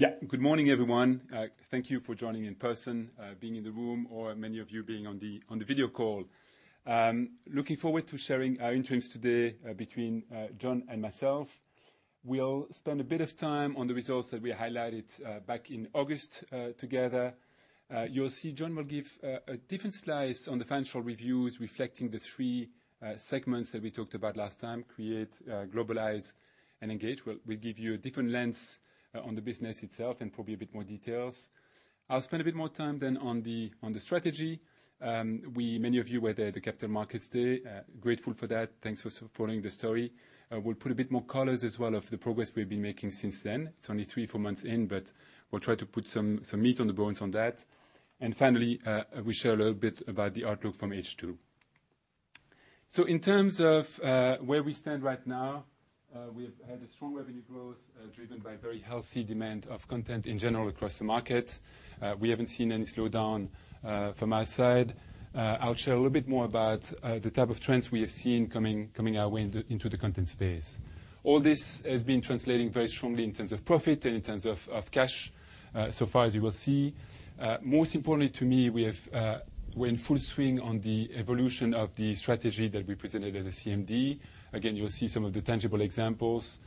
Yeah. Good morning, everyone. Thank you for joining in person, being in the room or many of you being on the video call. Looking forward to sharing our interims today, between Jon and myself. We'll spend a bit of time on the results that we highlighted back in August, together. You'll see Jon will give a different slice on the financial reviews reflecting the three segments that we talked about last time, Create, Globalize, and Engage. We'll give you a different lens on the business itself and probably a bit more details. I'll spend a bit more time then on the strategy. Many of you were there at the Capital Markets Day. Grateful for that. Thanks for following the story. We'll put a bit more colours as well of the progress we've been making since then. It's only three to four months in, but we'll try to put some meat on the bones on that. Finally, we share a little bit about the outlook from H2. In terms of where we stand right now, we have had a strong revenue growth driven by very healthy demand of content in general across the market. We haven't seen any slowdown from our side. I'll share a little bit more about the type of trends we have seen coming our way into the content space. All this has been translating very strongly in terms of profit and in terms of cash so far as you will see. Most importantly to me, we're in full swing on the evolution of the strategy that we presented at the CMD. Again, you'll see some of the tangible examples.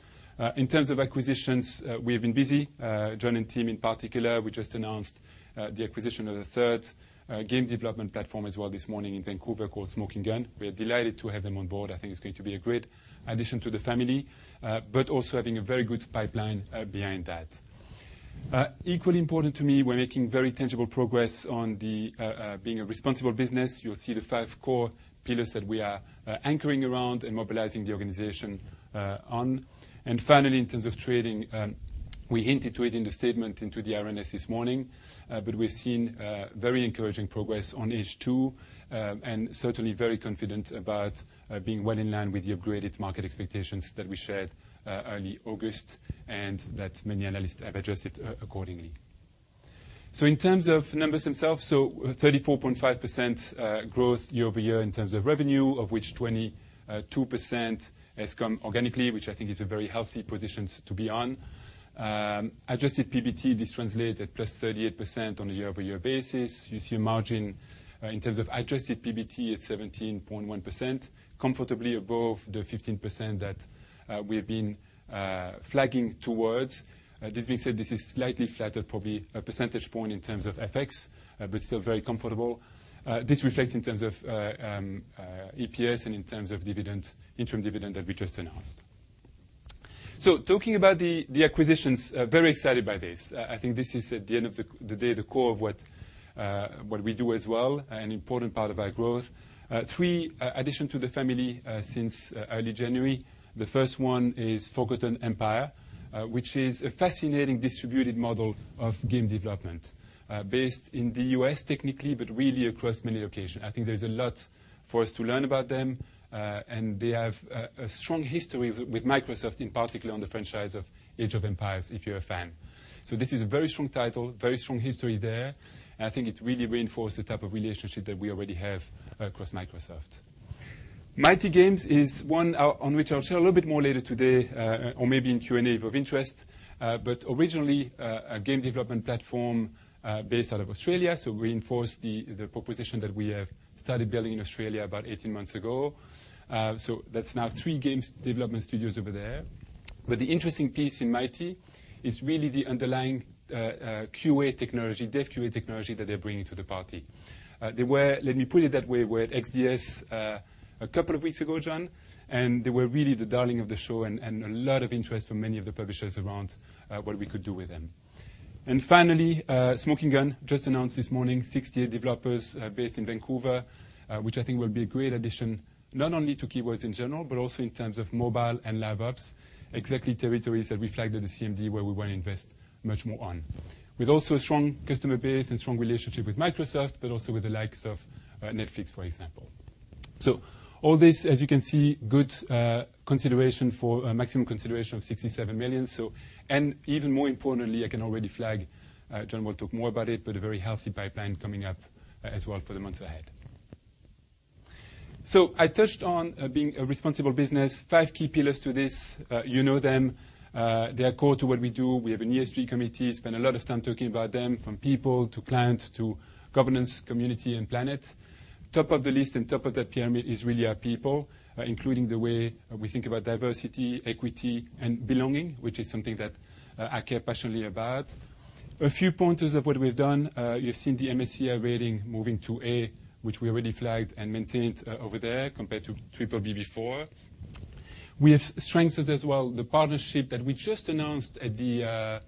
In terms of acquisitions, we have been busy. Jon and team in particular, we just announced the acquisition of the third game development platform as well this morning in Vancouver called Smoking Gun. We are delighted to have them on board. I think it's going to be a great addition to the family, but also having a very good pipeline behind that. Equally important to me, we're making very tangible progress on being a responsible business. You'll see the five core pillars that we are anchoring around and mobilizing the organization on. Finally, in terms of trading, we hinted to it in the statement and to the RNS this morning, but we've seen very encouraging progress on H2, and certainly very confident about being well in line with the upgraded market expectations that we shared early August, and that many analysts have adjusted accordingly. In terms of numbers themselves, 34.5% growth year-over-year in terms of revenue, of which 22% has come organically, which I think is a very healthy position to be on. Adjusted PBT, this translated +38% on a year-over-year basis. You see a margin in terms of adjusted PBT at 17.1%, comfortably above the 15% that we've been flagging towards. This being said, this is slightly flatter, probably a percentage point in terms of FX, but still very comfortable. This reflects in terms of EPS and in terms of dividends, interim dividend that we just announced. Talking about the acquisitions, very excited by this. I think this is at the end of the day, the core of what we do as well, an important part of our growth. Three additions to the family since early January. The first one is Forgotten Empires, which is a fascinating distributed model of game development, based in the U.S. technically, but really across many locations. I think there's a lot for us to learn about them, and they have a strong history with Microsoft, in particular on the franchise of Age of Empires, if you're a fan. This is a very strong title, very strong history there. I think it really reinforce the type of relationship that we already have across Microsoft. Mighty Games is one on which I'll share a little bit more later today, or maybe in Q&A if of interest. Originally, a game development platform, based out of Australia. Reinforce the proposition that we have started building in Australia about 18 months ago. That's now three game development studios over there. The interesting piece in Mighty is really the underlying QA technology, Dev QA technology that they're bringing to the party. They were, let me put it that way, at XDS a couple of weeks ago, Jon, and they were really the darling of the show and a lot of interest from many of the publishers around what we could do with them. Finally, Smoking Gun just announced this morning, 68 developers based in Vancouver, which I think will be a great addition, not only to Keywords in general, but also in terms of mobile and Live Ops, exactly territories that we flagged at the CMD where we want to invest much more on. With also a strong customer base and strong relationship with Microsoft, but also with the likes of Netflix, for example. All this, as you can see, good consideration for a maximum consideration of 67 million. Even more importantly, I can already flag, Jon will talk more about it, but a very healthy pipeline coming up as well for the months ahead. I touched on being a responsible business. Five key pillars to this, you know them. They are core to what we do. We have an ESG committee, spend a lot of time talking about them, from people to clients to governance, community and planet. Top of the list and top of that pyramid is really our people, including the way we think about diversity, equity and belonging, which is something that I care passionately about. A few pointers of what we've done. You've seen the MSCI rating moving to A, which we already flagged and maintained over there compared to BBB before. We have strengthened as well the partnership that we just announced at the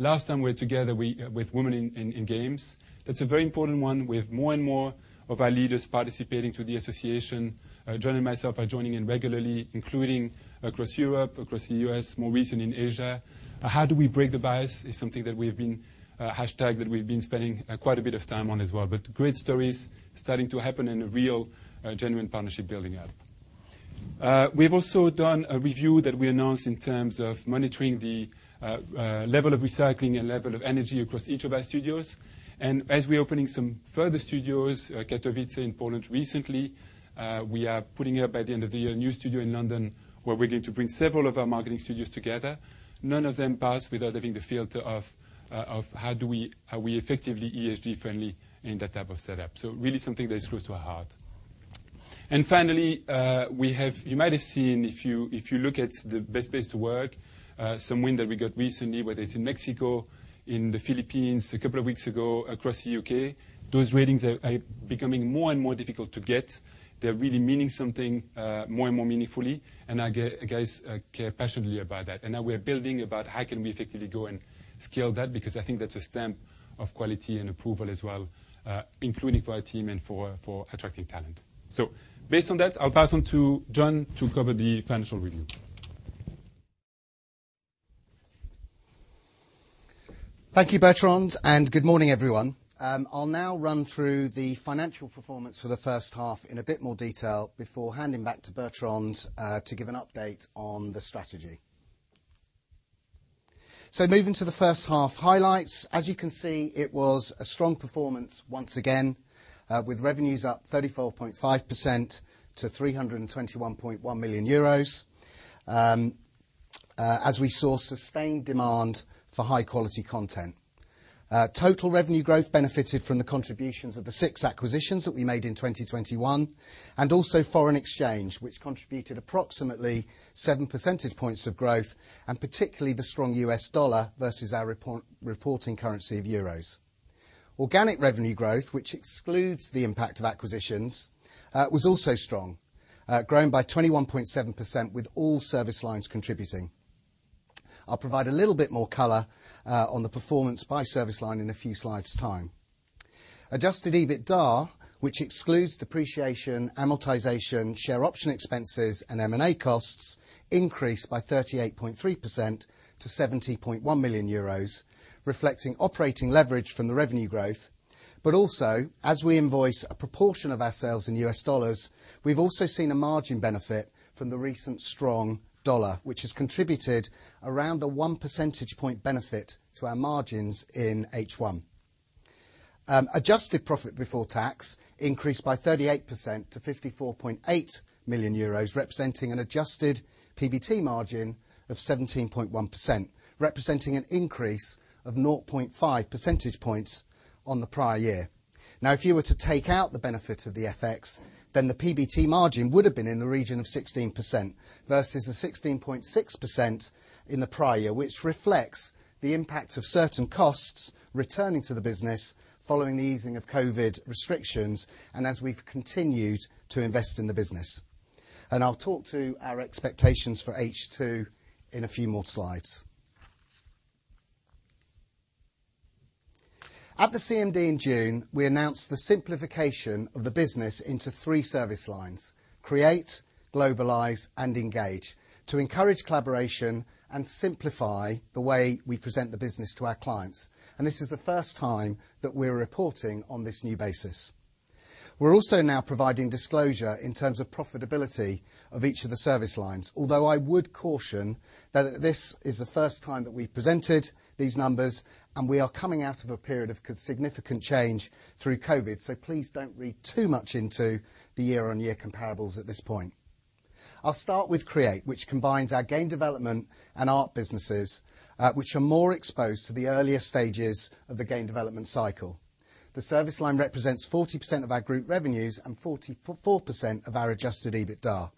last time we were together with Women in Games. That's a very important one. We have more and more of our leaders participating through the association. Jon and myself are joining in regularly, including across Europe, across the U.S., more recent in Asia. How do we break the bias is something that we have been a hashtag that we've been spending quite a bit of time on as well. Great stories starting to happen and a real genuine partnership building out. We've also done a review that we announced in terms of monitoring the level of recycling and level of energy across each of our studios. As we're opening some further studios, Katowice in Poland recently, we are putting up at the end of the year a new studio in London, where we're going to bring several of our marketing studios together. None of them pass without having the filter of are we effectively ESG friendly in that type of setup. Really something that is close to our heart. Finally, you might have seen if you look at the best place to work, some win that we got recently, whether it's in Mexico, in the Philippines a couple of weeks ago, across the UK, those ratings are becoming more and more difficult to get. They're really meaning something, more and more meaningfully, and I guess, guys, care passionately about that. Now we're building about how can we effectively go and scale that because I think that's a stamp of quality and approval as well, including for our team and for attracting talent. Based on that, I'll pass on to Jon to cover the financial review. Thank you, Bertrand, and good morning, everyone. I'll now run through the financial performance for the first half in a bit more detail before handing back to Bertrand to give an update on the strategy. Moving to the first half highlights. As you can see, it was a strong performance once again with revenues up 34.5% to 321.1 million euros as we saw sustained demand for high-quality content. Total revenue growth benefited from the contributions of the six acquisitions that we made in 2021 and also foreign exchange, which contributed approximately 7 percentage points of growth, and particularly the strong US dollar versus our reporting currency of euros. Organic revenue growth, which excludes the impact of acquisitions, was also strong, growing by 21.7% with all service lines contributing. I'll provide a little bit more color on the performance by service line in a few slides' time. Adjusted EBITDA, which excludes depreciation, amortization, share option expenses, and M&A costs, increased by 38.3% to 70.1 million euros, reflecting operating leverage from the revenue growth. Also, as we invoice a proportion of our sales in U.S. dollars, we've also seen a margin benefit from the recent strong dollar, which has contributed around a 1 percentage point benefit to our margins in H1. Adjusted profit before tax increased by 38% to 54.8 million euros, representing an adjusted PBT margin of 17.1%, representing an increase of 0.5 percentage points on the prior year. Now, if you were to take out the benefit of the FX, then the PBT margin would have been in the region of 16% versus 16.6% in the prior year, which reflects the impact of certain costs returning to the business following the easing of COVID restrictions and as we've continued to invest in the business. I'll talk through our expectations for H2 in a few more slides. At the CMD in June, we announced the simplification of the business into three service lines: Create, Globalize, and Engage, to encourage collaboration and simplify the way we present the business to our clients. This is the first time that we're reporting on this new basis. We're also now providing disclosure in terms of profitability of each of the service lines. Although I would caution that this is the first time that we've presented these numbers, and we are coming out of a period of significant change through COVID, so please don't read too much into the year-on-year comparables at this point. I'll start with Create, which combines our game development and art businesses, which are more exposed to the earlier stages of the game development cycle. The service line represents 40% of our group revenues and 44% of our adjusted EBITDA.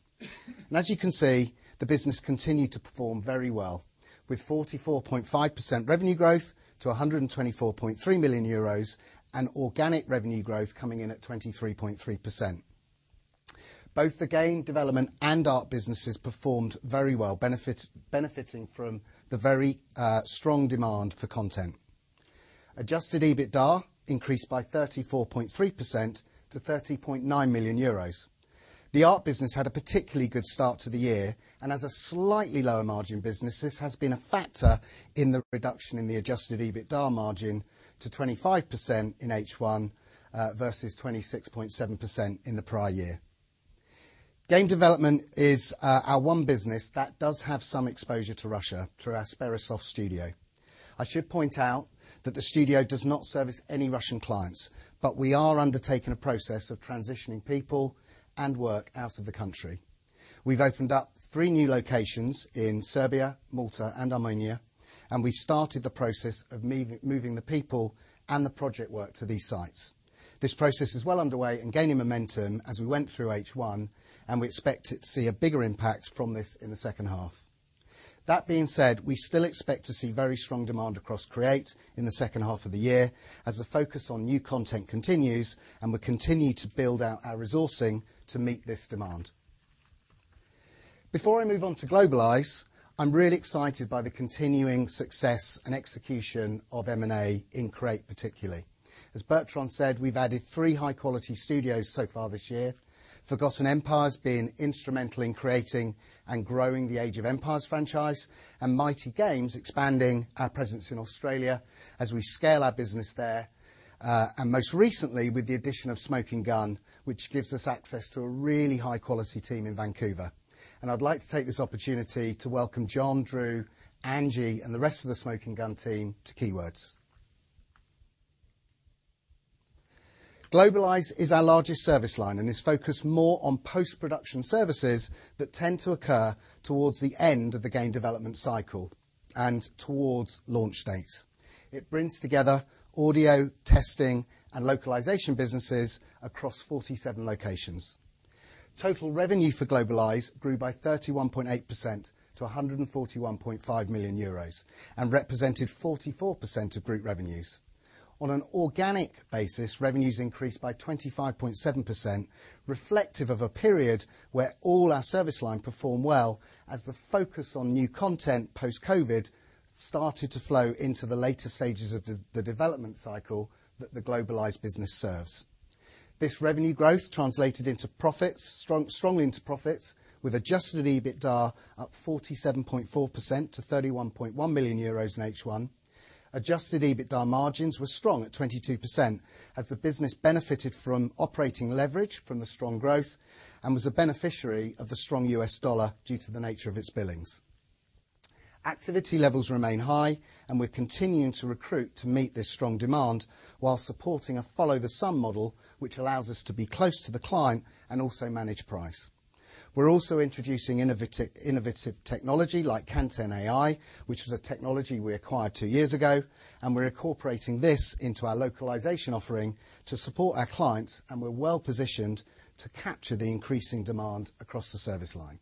As you can see, the business continued to perform very well, with 44.5% revenue growth to 124.3 million euros and organic revenue growth coming in at 23.3%. Both the game development and art businesses performed very well, benefiting from the very strong demand for content. Adjusted EBITDA increased by 34.3% to 30.9 million euros. The art business had a particularly good start to the year, and as a slightly lower margin business, this has been a factor in the reduction in the adjusted EBITDA margin to 25% in H1 versus 26.7% in the prior year. Game development is our one business that does have some exposure to Russia through our Aspyr studio. I should point out that the studio does not service any Russian clients, but we are undertaking a process of transitioning people and work out of the country. We've opened up three new locations in Serbia, Malta, and Armenia, and we started the process of moving the people and the project work to these sites. This process is well underway and gaining momentum as we went through H1, and we expect to see a bigger impact from this in the second half. That being said, we still expect to see very strong demand across Create in the second half of the year as the focus on new content continues, and we continue to build out our resourcing to meet this demand. Before I move on to Globalize, I'm really excited by the continuing success and execution of M&A in Create, particularly. As Bertrand said, we've added three high-quality studios so far this year, Forgotten Empires being instrumental in creating and growing the Age of Empires franchise, and Mighty Games expanding our presence in Australia as we scale our business there. Most recently with the addition of Smoking Gun, which gives us access to a really high-quality team in Vancouver. I'd like to take this opportunity to welcome Jon, Drew, Angie, and the rest of the Smoking Gun team to Keywords. Globalize is our largest service line and is focused more on post-production services that tend to occur towards the end of the game development cycle and towards launch dates. It brings together audio, testing, and localization businesses across 47 locations. Total revenue for Globalize grew by 31.8% to 141.5 million euros and represented 44% of group revenues. On an organic basis, revenues increased by 25.7%, reflective of a period where all our service line performed well as the focus on new content post-COVID started to flow into the later stages of the development cycle that the Globalize business serves. This revenue growth translated into profits, strongly into profits, with adjusted EBITDA up 47.4% to 31.1 million euros in H1. Adjusted EBITDA margins were strong at 22% as the business benefited from operating leverage from the strong growth and was a beneficiary of the strong US dollar due to the nature of its billings. Activity levels remain high, and we're continuing to recruit to meet this strong demand while supporting a follow the sun model, which allows us to be close to the client and also manage price. We're also introducing innovative technology like KantanAI, which is a technology we acquired two years ago, and we're incorporating this into our localization offering to support our clients, and we're well-positioned to capture the increasing demand across the service line.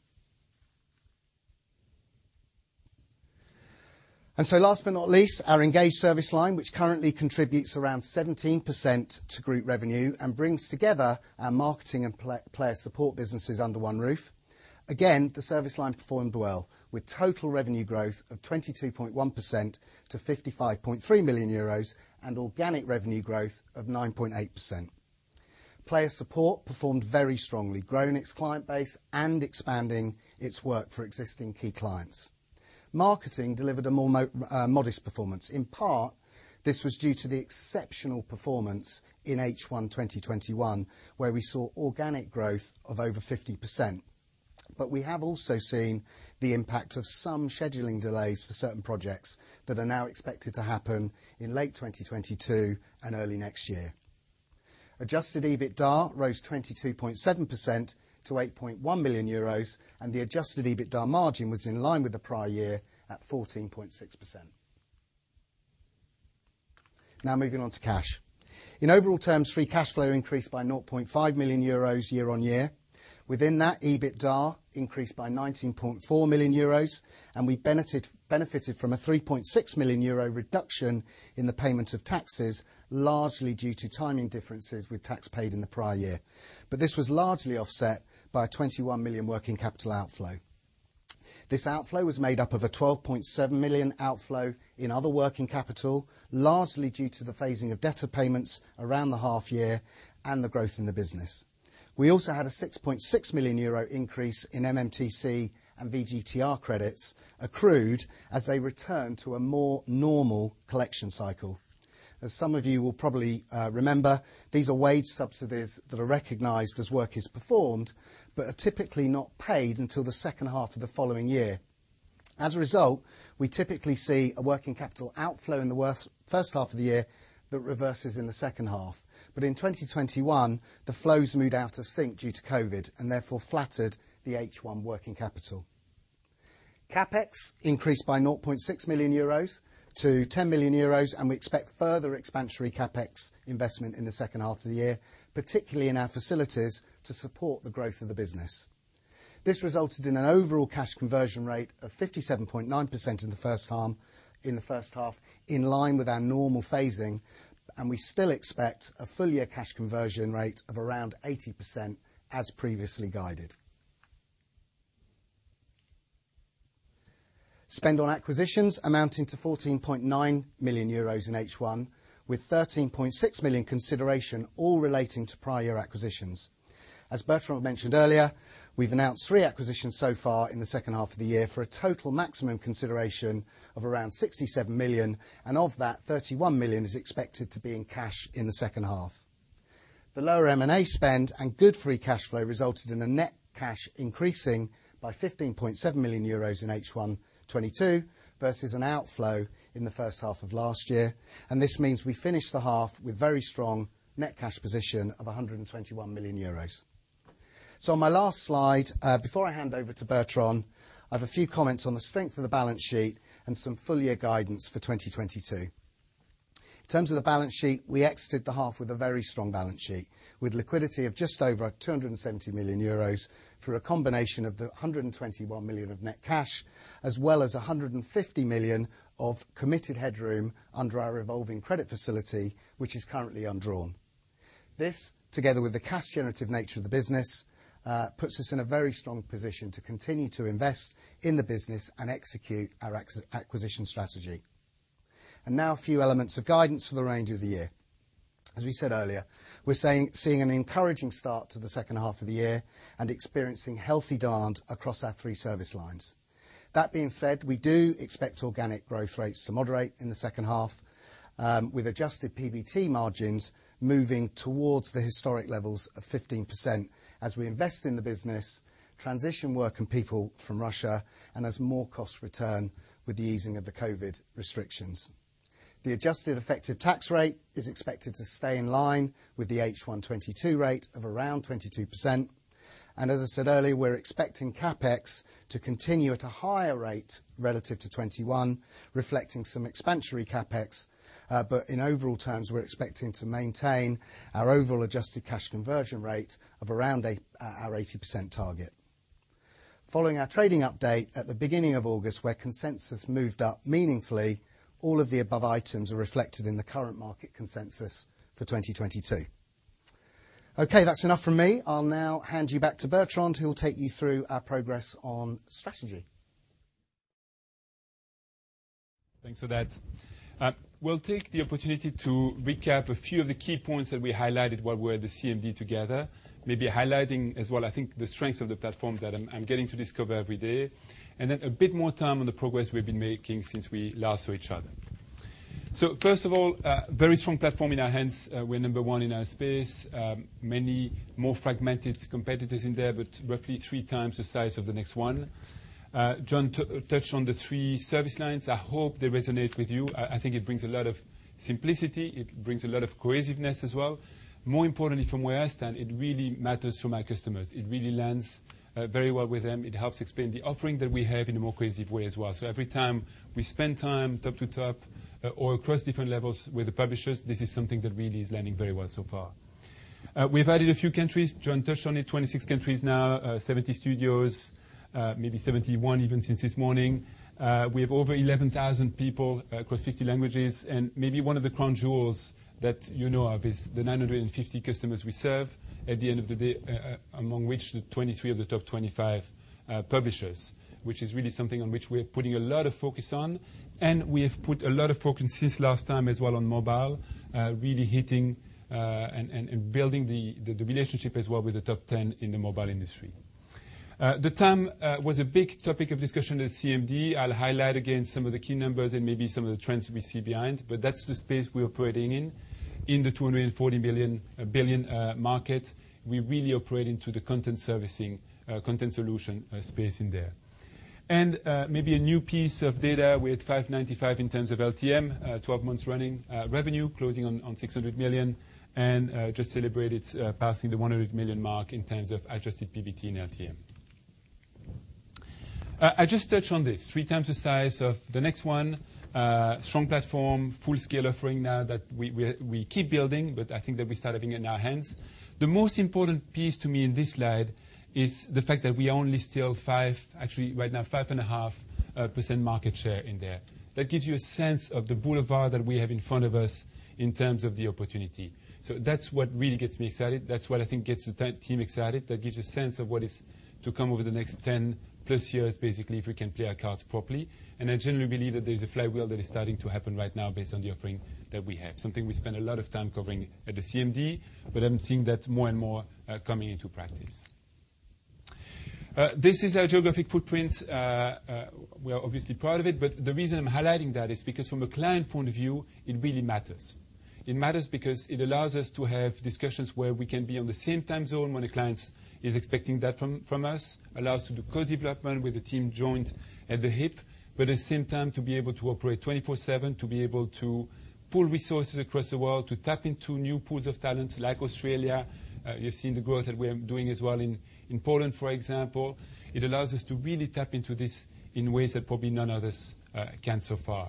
Last but not least, our Engage service line, which currently contributes around 17% to group revenue and brings together our marketing and player support businesses under one roof. The service line performed well with total revenue growth of 22.1% to 55.3 million euros and organic revenue growth of 9.8%. Player support performed very strongly, growing its client base and expanding its work for existing key clients. Marketing delivered a modest performance. In part, this was due to the exceptional performance in H1 2021, where we saw organic growth of over 50%. We have also seen the impact of some scheduling delays for certain projects that are now expected to happen in late 2022 and early next year. Adjusted EBITDA rose 22.7% to 8.1 million euros, and the adjusted EBITDA margin was in line with the prior year at 14.6%. Now moving on to cash. In overall terms, free cash flow increased by 0.5 million euros year-on-year. Within that, EBITDA increased by 19.4 million euros, and we benefited from a 3.6 million euro reduction in the payment of taxes, largely due to timing differences with tax paid in the prior year. This was largely offset by a 21 million working capital outflow. This outflow was made up of a 12.7 million outflow in other working capital, largely due to the phasing of debtor payments around the half year and the growth in the business. We also had a 6.6 million euro increase in MMTC and VGTR credits accrued as they return to a more normal collection cycle. As some of you will probably remember, these are wage subsidies that are recognized as work is performed but are typically not paid until the second half of the following year. As a result, we typically see a working capital outflow in the first half of the year that reverses in the second half. In 2021, the flows moved out of sync due to COVID and therefore flattered the H1 working capital. CapEx increased by 0.6 million euros to 10 million euros, and we expect further expansionary CapEx investment in the second half of the year, particularly in our facilities to support the growth of the business. This resulted in an overall cash conversion rate of 57.9% in the first half, in line with our normal phasing, and we still expect a full-year cash conversion rate of around 80% as previously guided. Spend on acquisitions amounting to 14.9 million euros in H1, with 13.6 million consideration all relating to prior acquisitions. As Bertrand mentioned earlier, we've announced three acquisitions so far in the second half of the year for a total maximum consideration of around 67 million, and of that, 31 million is expected to be in cash in the second half. The lower M&A spend and good free cash flow resulted in the net cash increasing by 15.7 million euros in H1 2022 versus an outflow in the first half of last year. This means we finished the half with very strong net cash position of 121 million euros. On my last slide, before I hand over to Bertrand, I have a few comments on the strength of the balance sheet and some full year guidance for 2022. In terms of the balance sheet, we exited the half with a very strong balance sheet with liquidity of just over 270 million euros through a combination of the 121 million of net cash as well as 150 million of committed headroom under our revolving credit facility, which is currently undrawn. This, together with the cash generative nature of the business, puts us in a very strong position to continue to invest in the business and execute our acquisition strategy. Now a few elements of guidance for the range of the year. As we said earlier, we're seeing an encouraging start to the second half of the year and experiencing healthy demand across our three service lines. That being said, we do expect organic growth rates to moderate in the second half, with adjusted PBT margins moving towards the historic levels of 15% as we invest in the business, transition work and people from Russia, and as more costs return with the easing of the COVID restrictions. The adjusted effective tax rate is expected to stay in line with the H1 2022 rate of around 22%. As I said earlier, we're expecting CapEx to continue at a higher rate relative to 2021, reflecting some expansionary CapEx. In overall terms, we're expecting to maintain our overall adjusted cash conversion rate of around our 80% target. Following our trading update at the beginning of August, where consensus moved up meaningfully, all of the above items are reflected in the current market consensus for 2022. Okay, that's enough from me. I'll now hand you back to Bertrand, who will take you through our progress on strategy. Thanks for that. We'll take the opportunity to recap a few of the key points that we highlighted while we're at the CMD together. Maybe highlighting as well, I think, the strengths of the platform that I'm getting to discover every day. Then a bit more time on the progress we've been making since we last saw each other. First of all, very strong platform in our hands. We're number one in our space. Many more fragmented competitors in there, but roughly three times the size of the next one. Jon touched on the three service lines. I hope they resonate with you. I think it brings a lot of simplicity. It brings a lot of cohesiveness as well. More importantly, from where I stand, it really matters to my customers. It really lands very well with them. It helps explain the offering that we have in a more cohesive way as well. Every time we spend time top to top or across different levels with the publishers, this is something that really is landing very well so far. We've added a few countries. Jon touched on it, 26 countries now, 70 studios, maybe 71 even since this morning. We have over 11,000 people across 50 languages. Maybe one of the crown jewels that you know, of is the 950 customers we serve at the end of the day, among which the 23 of the top 25 publishers, which is really something on which we're putting a lot of focus on. We have put a lot of focus since last time as well on mobile, really hitting and building the relationship as well with the Top 10 in the mobile industry. Mobile was a big topic of discussion at CMD. I'll highlight again some of the key numbers and maybe some of the trends we see behind, but that's the space we're operating in. In the 240 billion market, we really operate in the content servicing, content solution space in there. Maybe a new piece of data with 595 million in terms of LTM twelve months running revenue closing on 600 million, and just celebrated passing the 100 million mark in terms of adjusted PBT and LTM. I just touched on this three times the size of the next one. Strong platform, full-scale offering now that we keep building, but I think that we start having it in our hands. The most important piece to me in this slide is the fact that we only still, actually right now 5.5% market share in there. That gives you a sense of the boulevard that we have in front of us in terms of the opportunity. That's what really gets me excited. That's what I think gets the team excited. That gives you a sense of what is to come over the next 10+ years, basically, if we can play our cards properly. I generally believe that there's a flywheel that is starting to happen right now based on the offering that we have. Something we spent a lot of time covering at the CMD, but I'm seeing that more and more coming into practice. This is our geographic footprint. We are obviously part of it, but the reason I'm highlighting that is because from a client point of view, it really matters. It matters because it allows us to have discussions where we can be on the same time zone when a client is expecting that from us, allows to do co-development with the team joint at the hip, but at the same time, to be able to operate twenty-four seven, to be able to pull resources across the world, to tap into new pools of talents like Australia. You've seen the growth that we are doing as well in Poland, for example. It allows us to really tap into this in ways that probably none others can so far.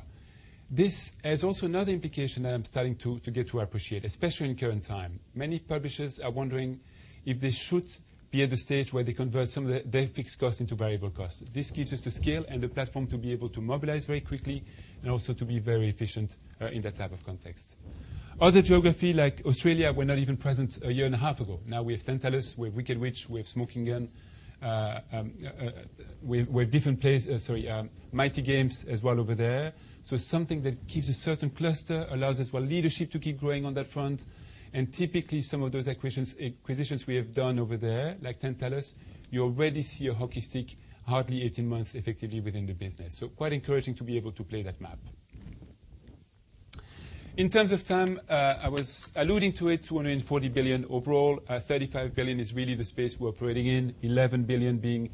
This has also another implication that I'm starting to get to appreciate, especially in current time. Many publishers are wondering if they should be at the stage where they convert some of their fixed costs into variable costs. This gives us the scale and the platform to be able to mobilize very quickly and also to be very efficient in that type of context. Other geographies like Australia where we were not even present a year and a half ago. Now we have Tantalus. We have Wicked Witch. We have Smoking Gun. We have Mighty Games as well over there. Something that keeps a certain cluster allows us world leadership to keep growing on that front. Typically some of those acquisitions we have done over there, like Tantalus, you already see a hockey stick hardly eighteen months effectively within the business. Quite encouraging to be able to play that map. In terms of time, I was alluding to it, 240 billion overall. 35 billion is really the space we're operating in. 11 billion being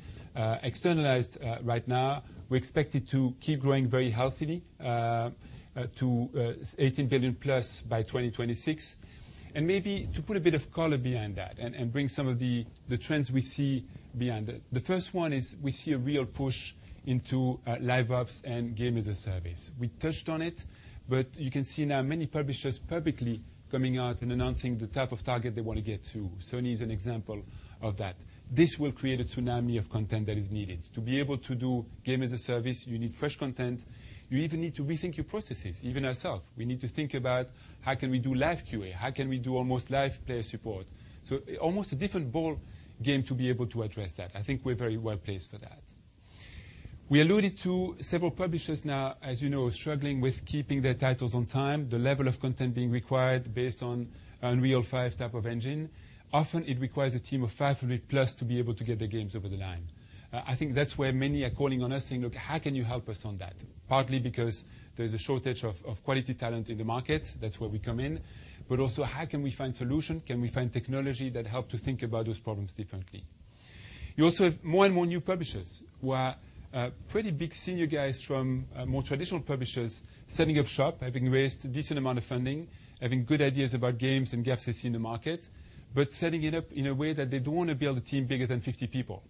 externalized right now. We expect it to keep growing very healthily to 18 billion plus by 2026. Maybe to put a bit of color behind that and bring some of the trends we see behind it. The first one is we see a real push into Live Ops and Game as a Service. We touched on it, but you can see now many publishers publicly coming out and announcing the type of target they wanna get to. Sony is an example of that. This will create a tsunami of content that is needed. To be able to do Game as a Service, you need fresh content, you even need to rethink your processes, even ourselves. We need to think about how can we do live QA? How can we do almost live player support? Almost a different ball game to be able to address that. I think we're very well-placed for that. We alluded to several publishers now, as you know, struggling with keeping their titles on time, the level of content being required based on Unreal 5 type of engine. Often it requires a team of 500+ to be able to get their games over the line. I think that's where many are calling on us saying, "Look, how can you help us on that?" Partly because there's a shortage of quality talent in the market. That's where we come in, but also how can we find solution? Can we find technology that help to think about those problems differently? You also have more and more new publishers who are pretty big senior guys from more traditional publishers setting up shop, having raised a decent amount of funding, having good ideas about games and gaps they see in the market, but setting it up in a way that they don't want to build a team bigger than 50 people.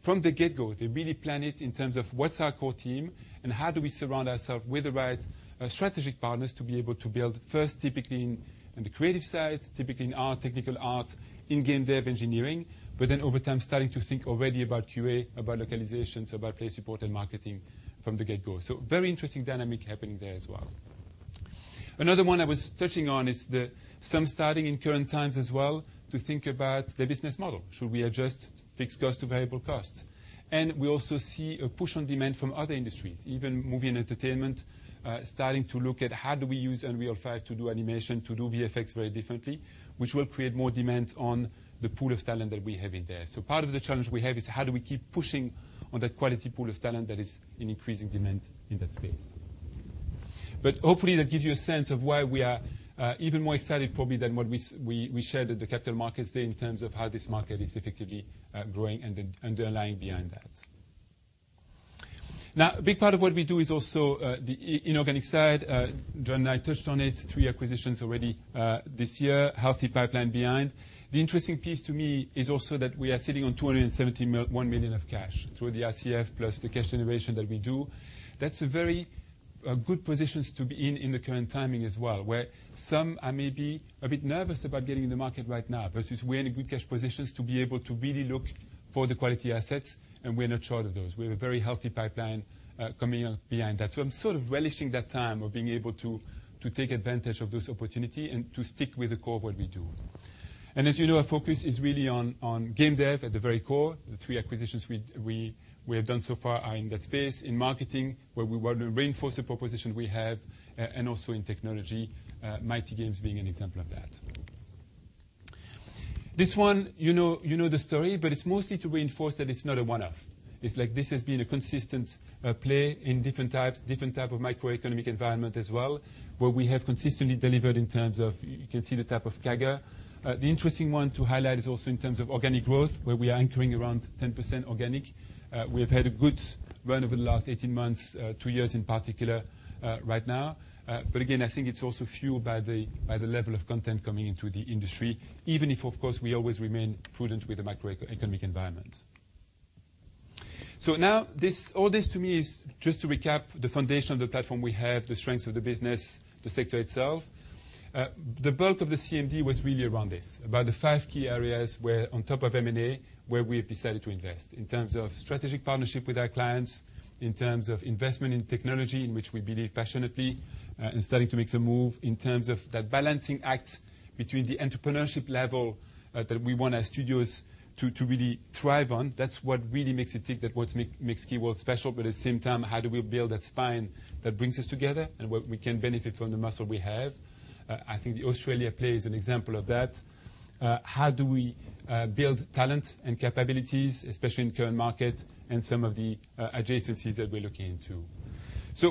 From the get-go, they really plan it in terms of what's our core team and how do we surround ourselves with the right, strategic partners to be able to build first, typically in the creative side, typically in art, technical art, in Game Dev Engineering, but then over time, starting to think already about QA, about localizations, about play support and marketing from the get-go. Very interesting dynamic happening there as well. Another one I was touching on is the, some starting in current times as well to think about the business model. Should we adjust fixed cost to variable cost? We also see a push on demand from other industries, even movie and entertainment, starting to look at how do we use Unreal 5 to do animation, to do VFX very differently, which will create more demand on the pool of talent that we have in there. Part of the challenge we have is how do we keep pushing on that quality pool of talent that is in increasing demand in that space. Hopefully, that gives you a sense of why we are even more excited probably than what we shared at the Capital Markets Day in terms of how this market is effectively growing and the underlying behind that. Now, a big part of what we do is also the inorganic side. Jon and I touched on it, three acquisitions already this year, healthy pipeline behind. The interesting piece to me is also that we are sitting on 270 million of cash through the RCF plus the cash generation that we do. That's a very good position to be in in the current timing as well, where some are maybe a bit nervous about getting in the market right now versus we're in a good cash position to be able to really look for the quality assets, and we're not short of those. We have a very healthy pipeline coming up behind that. I'm sort of relishing that time of being able to take advantage of this opportunity and to stick with the core of what we do. As you know, our focus is really on Game Dev at the very core. The three acquisitions we have done so far are in that space, in marketing, where we want to reinforce the proposition we have, and also in technology, Mighty Games being an example of that. This one, you know the story, but it's mostly to reinforce that it's not a one-off. It's like this has been a consistent play in different types of microeconomic environment as well, where we have consistently delivered in terms of, you can see the type of CAGR. The interesting one to highlight is also in terms of organic growth, where we are anchoring around 10% organic. We have had a good run over the last 18 months, two years in particular, right now. I think it's also fueled by the level of content coming into the industry, even if, of course, we always remain prudent with the macroeconomic environment. Now this, all this to me is just to recap the foundation of the platform we have, the strengths of the business, the sector itself. The bulk of the CMD was really around this, about the five key areas where on top of M&A, where we have decided to invest in terms of strategic partnership with our clients, in terms of investment in technology in which we believe passionately, and starting to make some move in terms of that balancing act between the entrepreneurship level, that we want our studios to really thrive on. That's what really makes it tick. That's what makes Keywords special. At the same time, how do we build that spine that brings us together and where we can benefit from the muscle we have? I think the Australia play is an example of that. How do we build talent and capabilities, especially in current market and some of the adjacencies that we're looking into?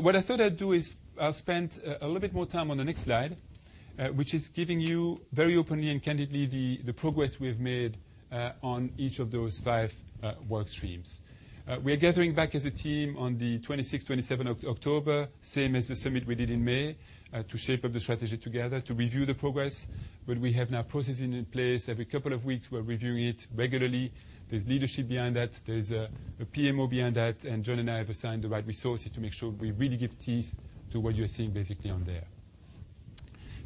What I thought I'd do is I'll spend a little bit more time on the next slide, which is giving you very openly and candidly the progress we have made on each of those five work streams. We are gathering back as a team on the 26, 27 October, same as the summit we did in May, to shape up the strategy together, to review the progress. We have now processes in place. Every couple of weeks, we're reviewing it regularly. There's leadership behind that. There's a PMO behind that, and Jon and I have assigned the right resources to make sure we really give teeth to what you're seeing basically on there.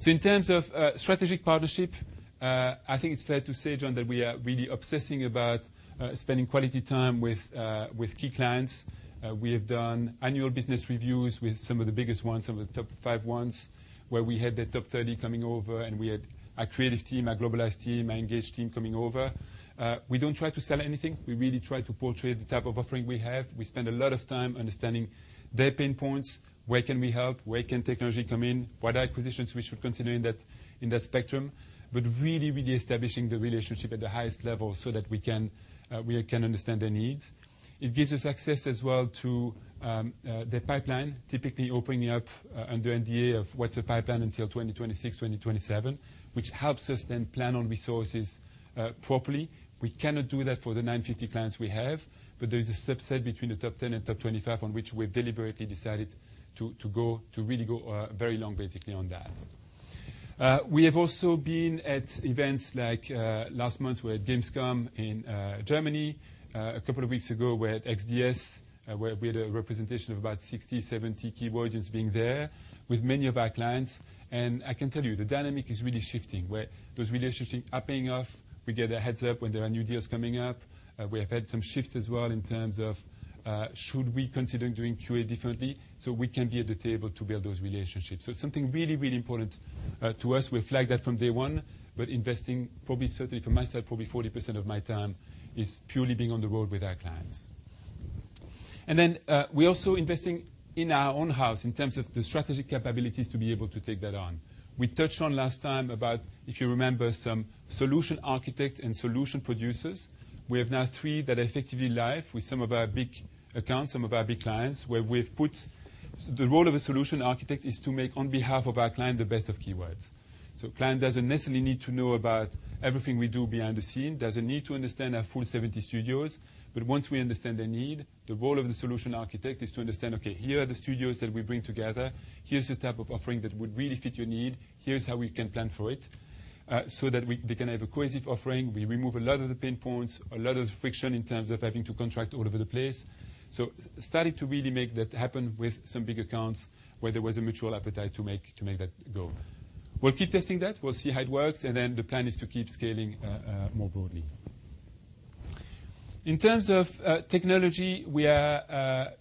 In terms of strategic partnership, I think it's fair to say, Jon, that we are really obsessing about spending quality time with key clients. We have done annual business reviews with some of the biggest ones, some of the top five ones, where we had the top 30 coming over, and we had our Create team, our Globalize team, our Engage team coming over. We don't try to sell anything. We really try to portray the type of offering we have. We spend a lot of time understanding their pain points, where can we help, where can technology come in, what acquisitions we should consider in that spectrum, but really establishing the relationship at the highest level so that we can understand their needs. It gives us access as well to their pipeline, typically opening up under NDA of what's the pipeline until 2026, 2027, which helps us then plan on resources properly. We cannot do that for the 950 clients we have, but there is a subset between the top 10 and top 25 on which we've deliberately decided to really go very long basically on that. We have also been at events like last month, we had Gamescom in Germany. A couple of weeks ago, we had XDS, where we had a representation of about 60-70 Keywords audience being there with many of our clients. I can tell you, the dynamic is really shifting, where those relationships are paying off. We get a heads up when there are new deals coming up. We have had some shifts as well in terms of, should we consider doing QA differently so we can be at the table to build those relationships. It's something really, really important, to us. We flagged that from day one, but investing probably, certainly for myself, probably 40% of my time is purely being on the road with our clients. We're also investing in our own house in terms of the strategic capabilities to be able to take that on. We touched on last time about, if you remember, some solution architect and solution producers. We have now three that are effectively live with some of our big accounts, some of our big clients, where we've put. The role of a solution architect is to make, on behalf of our client, the best of Keywords. Client doesn't necessarily need to know about everything we do behind the scene. Doesn't need to understand our full 70 studios. Once we understand the need, the role of the solution architect is to understand, okay, here are the studios that we bring together. Here's the type of offering that would really fit your need. Here's how we can plan for it, so that they can have a cohesive offering. We remove a lot of the pain points, a lot of friction in terms of having to contract all over the place. Starting to really make that happen with some big accounts where there was a mutual appetite to make that go. We'll keep testing that. We'll see how it works, and then the plan is to keep scaling more broadly. In terms of technology,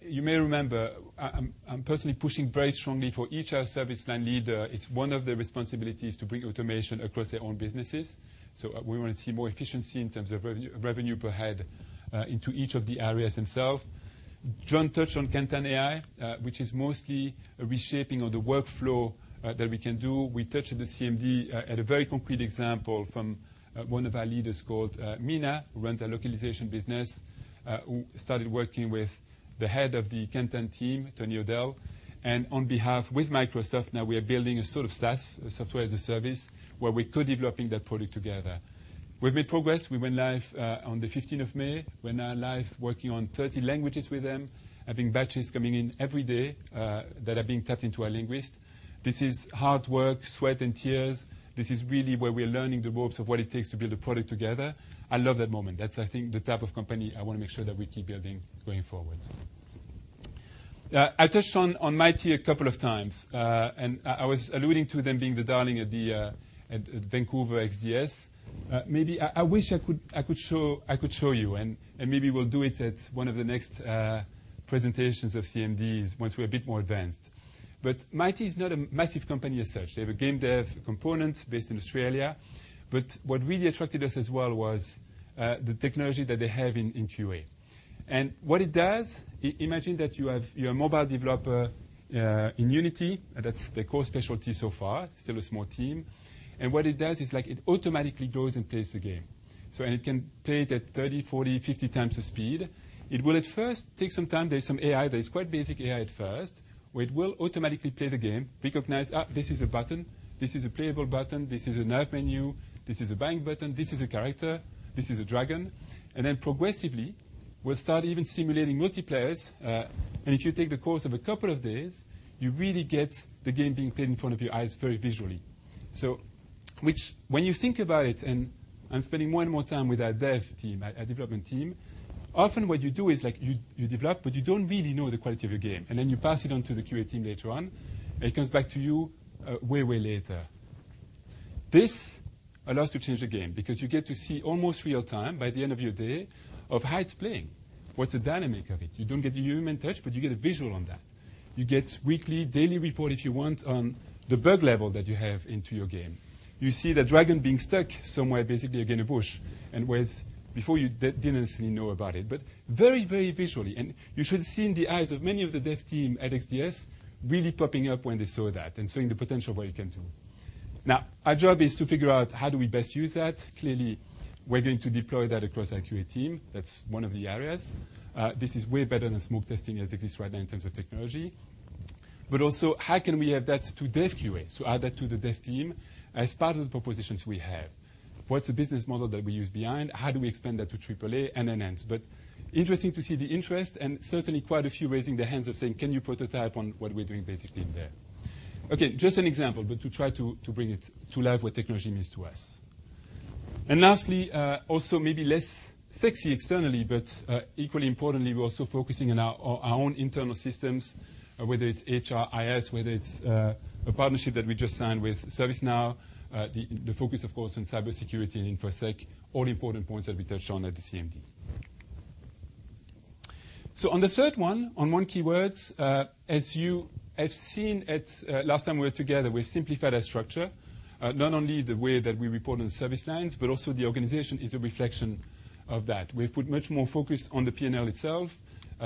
you may remember, I'm personally pushing very strongly for each service line leader. It's one of their responsibilities to bring automation across their own businesses. We wanna see more efficiency in terms of revenue per head into each of the areas themselves. Jon touched on KantanAI, which is mostly a reshaping of the workflow that we can do. We touched on the CMD at a very concrete example from one of our leaders called Mina, who runs our localization business. Started working with the head of the content team, Tony O'Dowd. On behalf of Microsoft, now we are building a sort of SaaS, software as a service, where we're co-developing that product together. We've made progress. We went live on the fifteenth of May. We're now live working on 30 languages with them, having batches coming in every day that are being tapped into our linguist. This is hard work, sweat and tears. This is really where we're learning the ropes of what it takes to build a product together. I love that moment. That's, I think, the type of company I wanna make sure that we keep building going forward. I touched on Mighty a couple of times. I was alluding to them being the darling at the Vancouver XDS. I wish I could show you, and maybe we'll do it at one of the next presentations of CMDs once we're a bit more advanced. Mighty is not a massive company as such. They have a Game Dev component based in Australia. What really attracted us as well was the technology that they have in QA. What it does, imagine you're a mobile developer in Unity. That's their core specialty so far. Still a small team. What it does is like it automatically goes and plays the game. It can play it at 30, 40, 50 times the speed. It will at first take some time. There's some AI. There is quite basic AI at first, where it will automatically play the game, recognize this is a button. This is a playable button. This is a nav menu. This is a back button. This is a character. This is a dragon. Then progressively, it will start even simulating multiplayer. And if you take the course of a couple of days, you really get the game being played in front of your eyes very visually. So when you think about it, I'm spending more and more time with our dev team, our development team. Often what you do is, like, you develop, but you don't really know the quality of your game. Then you pass it on to the QA team later on. It comes back to you way later. This allows to change the game because you get to see almost real-time, by the end of your day, of how it's playing. What's the dynamic of it? You don't get the human touch, but you get a visual on that. You get weekly, daily report if you want on the bug level that you have into your game. You see the dragon being stuck somewhere, basically, again, a bush, and whereas before you didn't necessarily know about it. Very, very visually. You should see in the eyes of many of the dev team at XDS really popping up when they saw that and seeing the potential of what it can do. Now, our job is to figure out how do we best use that. Clearly, we're going to deploy that across our QA team. That's one of the areas. This is way better than smoke testing as it exists right now in terms of technology. How can we add that to Dev QA? Add that to the dev team as part of the propositions we have. What's the business model that we use behind? How do we expand that to AAA and then indie? Interesting to see the interest, and certainly quite a few raising their hands and saying, "Can you prototype on what we're doing basically in there?" Okay, just an example, to try to bring it to life what technology means to us. Lastly, also maybe less sexy externally, but equally importantly, we're also focusing on our own internal systems, whether it's HRIS, whether it's a partnership that we just signed with ServiceNow. The focus, of course, on cybersecurity and InfoSec, all important points that we touched on at the CMD. On the third one, on Keywords, as you have seen at last time we were together, we've simplified our structure. Not only the way that we report on the service lines, but also the organization is a reflection of that. We've put much more focus on the P&L itself,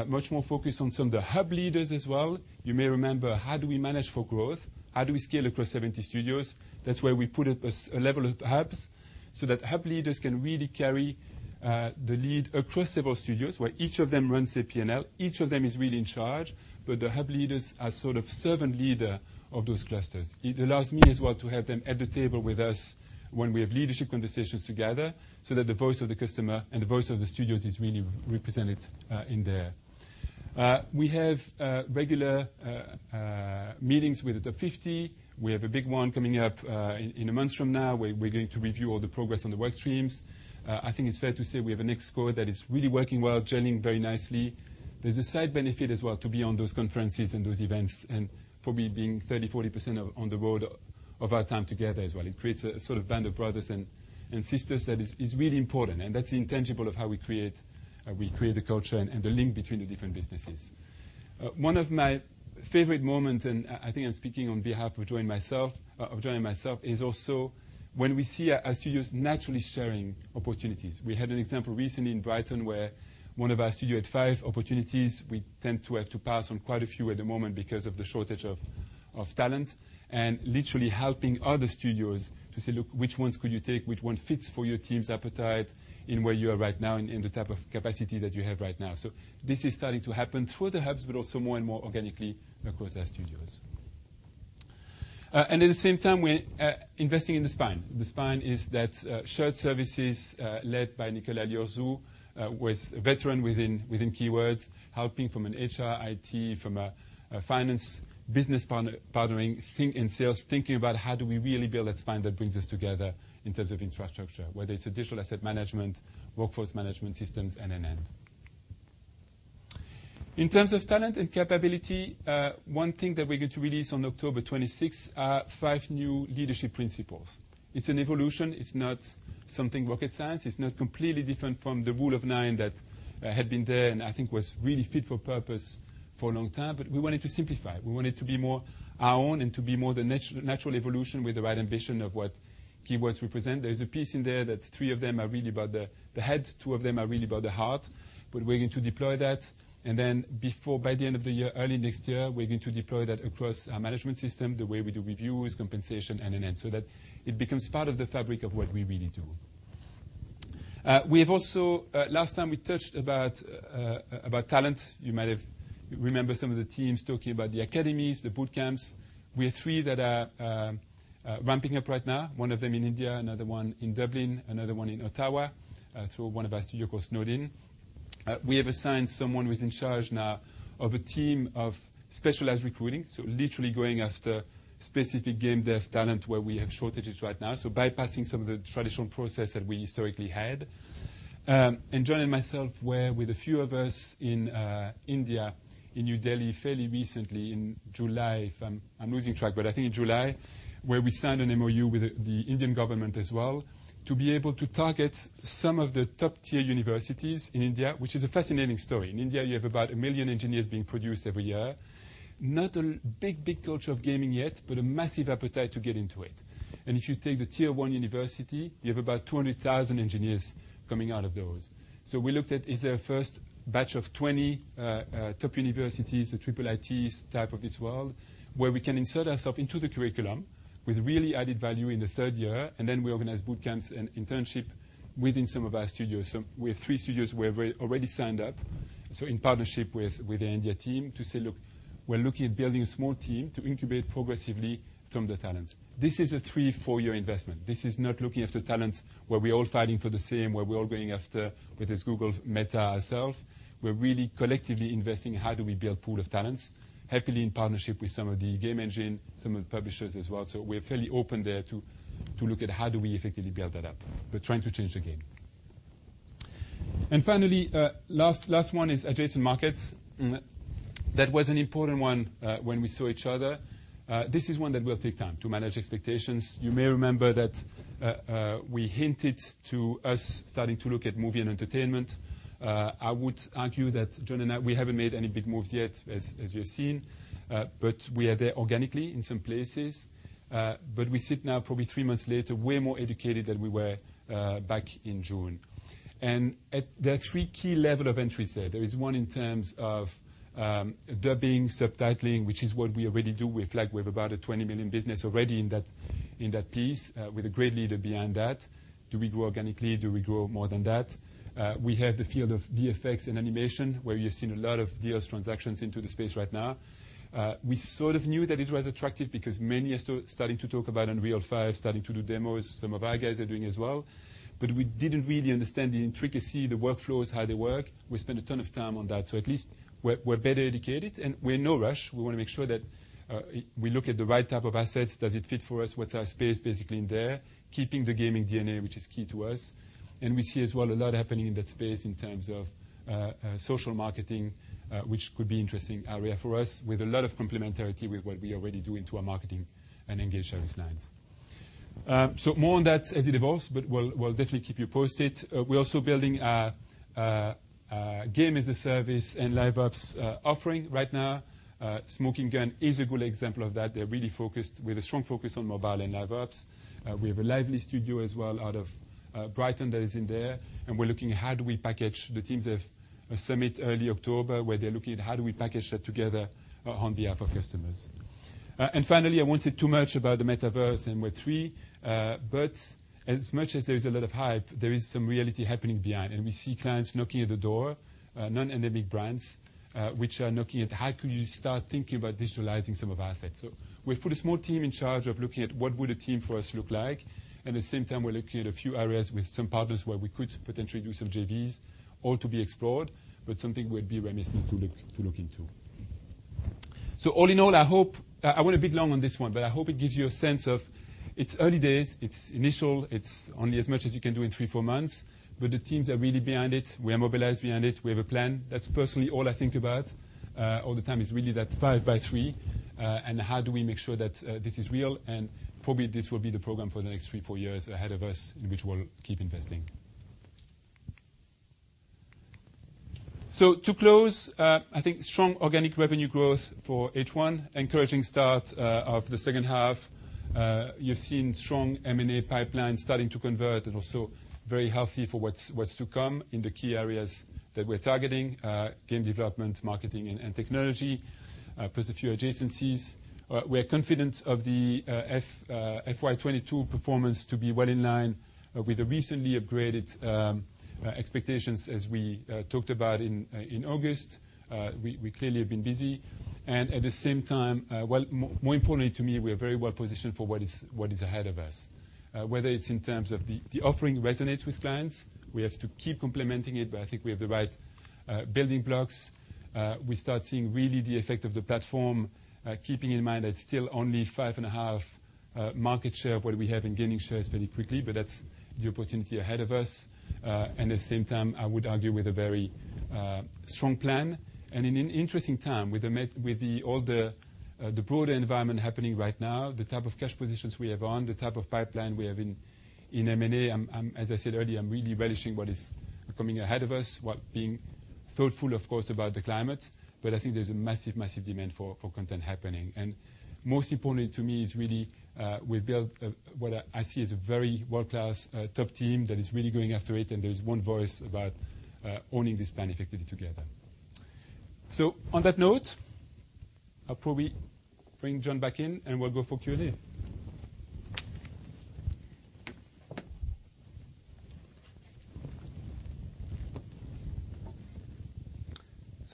much more focus on some of the hub leaders as well. You may remember, how do we manage for growth? How do we scale across 70 studios? That's where we put a level of hubs, so that hub leaders can really carry the lead across several studios, where each of them runs a P&L. Each of them is really in charge, but the hub leaders are sort of servant leader of those clusters. It allows me as well to have them at the table with us when we have leadership conversations together, so that the voice of the customer and the voice of the studios is really represented in there. We have regular meetings with the 50. We have a big one coming up in a month from now, where we're going to review all the progress on the work streams. I think it's fair to say we have an ex-core that is really working well, gelling very nicely. There's a side benefit as well to be on those conferences and those events, and probably being 30-40% on the road of our time together as well. It creates a sort of band of brothers and sisters that is really important. That's the intangible of how we create the culture and the link between the different businesses. One of my favorite moment, and I think I'm speaking on behalf of Jon and myself, is also when we see our studios naturally sharing opportunities. We had an example recently in Brighton where one of our studio had five opportunities. We tend to have to pass on quite a few at the moment because of the shortage of talent and literally helping other studios to say, "Look, which ones could you take? Which one fits for your team's appetite in where you are right now and in the type of capacity that you have right now?" This is starting to happen through the hubs, but also more and more organically across our studios. At the same time, we're investing in the spine. The spine is that shared services led by Nicolas Liorzou, who is a veteran within Keywords, helping from an HR, IT, from a finance business partnering and sales, thinking about how do we really build a spine that brings us together in terms of infrastructure, whether it's digital asset management, workforce management systems, end-to-end. In terms of talent and capability, one thing that we're going to release on October twenty-sixth are five new leadership principles. It's an evolution. It's not something rocket science. It's not completely different from the rule of nine that had been there and I think was really fit for purpose for a long time. We wanted to simplify it. We want it to be more our own and to be more the natural evolution with the right ambition of what Keywords represent. There is a piece in there that three of them are really about the head, two of them are really about the heart, but we're going to deploy that. Before by the end of the year, early next year, we're going to deploy that across our management system, the way we do reviews, compensation, end-to-end, so that it becomes part of the fabric of what we really do. We have also last time we touched on about talent. You might remember some of the teams talking about the academies, the boot camps. We have three that are ramping up right now, one of them in India, another one in Dublin, another one in Ottawa through one of our studios called Snowed In Studios. We have assigned someone who's in charge now of a team of specialized recruiting, so literally going after specific Game Dev talent where we have shortages right now, so bypassing some of the traditional process that we historically had. Jon and myself were with a few of us in India, in New Delhi fairly recently in July, I'm losing track, but I think in July, where we signed an MOU with the Indian government as well, to be able to target some of the top-tier universities in India, which is a fascinating story. In India, you have about 1 million engineers being produced every year. Not a big, big culture of gaming yet, but a massive appetite to get into it. If you take the Tier One University, you have about 200,000 engineers coming out of those. We looked at is there a first batch of 20 top universities, the IITs type of this world, where we can insert ourselves into the curriculum with really added value in the third year, and then we organize boot camps and internship within some of our studios. We have three studios who have already signed up, in partnership with the India team to say, "Look, we're looking at building a small team to incubate progressively from the talents." This is a 3-4-year investment. This is not looking after talent where we're all fighting for the same, where we're all going after whether it's Google, Meta, ourselves. We're really collectively investing how do we build pool of talents, happily in partnership with some of the game engine, some of the publishers as well. We're fairly open there to look at how do we effectively build that up. We're trying to change the game. Finally, last one is adjacent markets. That was an important one, when we saw each other. This is one that will take time to manage expectations. You may remember that, we hinted at starting to look at movie and entertainment. I would argue that Jon and I, we haven't made any big moves yet, as you have seen. We are there organically in some places. We sit now probably three months later, way more educated than we were, back in June. There are three key level of entries there. There is one in terms of, dubbing, subtitling, which is what we already do with like, we have about a 20 million business already in that, in that piece, with a great leader behind that. Do we grow organically? Do we grow more than that? We have the field of VFX and animation, where you've seen a lot of deals, transactions into the space right now. We sort of knew that it was attractive because many are starting to talk about Unreal 5, starting to do demos. Some of our guys are doing as well. We didn't really understand the intricacy, the workflows, how they work. We spent a ton of time on that. At least we're better educated, and we're in no rush. We wanna make sure that we look at the right type of assets. Does it fit for us? What's our space basically in there? Keeping the gaming DNA, which is key to us. We see as well a lot happening in that space in terms of social marketing, which could be interesting area for us with a lot of complementarity with what we already do into our marketing and engagement service lines. More on that as it evolves, but we'll definitely keep you posted. We're also building a Game as a Service and Live Ops offering right now. Smoking Gun is a good example of that. They're really focused with a strong focus on mobile and Live Ops. We have a lively studio as well out of Brighton that is in there, and we're looking at how do we package the teams of a summit early October, where they're looking at how do we package that together on behalf of customers. Finally, I won't say too much about the Metaverse and Web3, but as much as there is a lot of hype, there is some reality happening behind. We see clients knocking at the door, non-endemic brands, which are knocking at how could you start thinking about digitalizing some of our assets. We've put a small team in charge of looking at what would a team for us look like. At the same time, we're looking at a few areas with some partners where we could potentially do some JVs, all to be explored, but something we'd be remiss not to look into. All in all, I hope I went a bit long on this one, but I hope it gives you a sense of it's early days, it's initial, it's only as much as you can do in three to four months, but the teams are really behind it. We are mobilized behind it. We have a plan. That's personally all I think about all the time is really that five by three, and how do we make sure that this is real? Probably this will be the program for the next three, four years ahead of us, in which we'll keep investing. To close, I think strong organic revenue growth for H1, encouraging start of the second half. You've seen strong M&A pipeline starting to convert and also very healthy for what's to come in the key areas that we're targeting, game development, marketing and technology, plus a few adjacencies. We are confident of the FY 2022 performance to be well in line with the recently upgraded expectations as we talked about in August. We clearly have been busy, and at the same time, more importantly to me, we are very well positioned for what is ahead of us. Whether it's in terms of the offering resonates with clients, we have to keep complementing it, but I think we have the right building blocks. We start seeing really the effect of the platform, keeping in mind that it's still only 5.5% market share of what we have in gaining shares very quickly, but that's the opportunity ahead of us. At the same time, I would argue with a very strong plan and in an interesting time with the broader environment happening right now, the type of cash positions we have on, the type of pipeline we have in M&A. I'm, as I said earlier, really relishing what is coming ahead of us, while being thoughtful, of course, about the climate. I think there's a massive demand for content happening. Most importantly to me is really, we've built a what I see as a very world-class top team that is really going after it, and there's one voice about owning this plan effectively together. On that note, I'll probably bring Jon back in, and we'll go for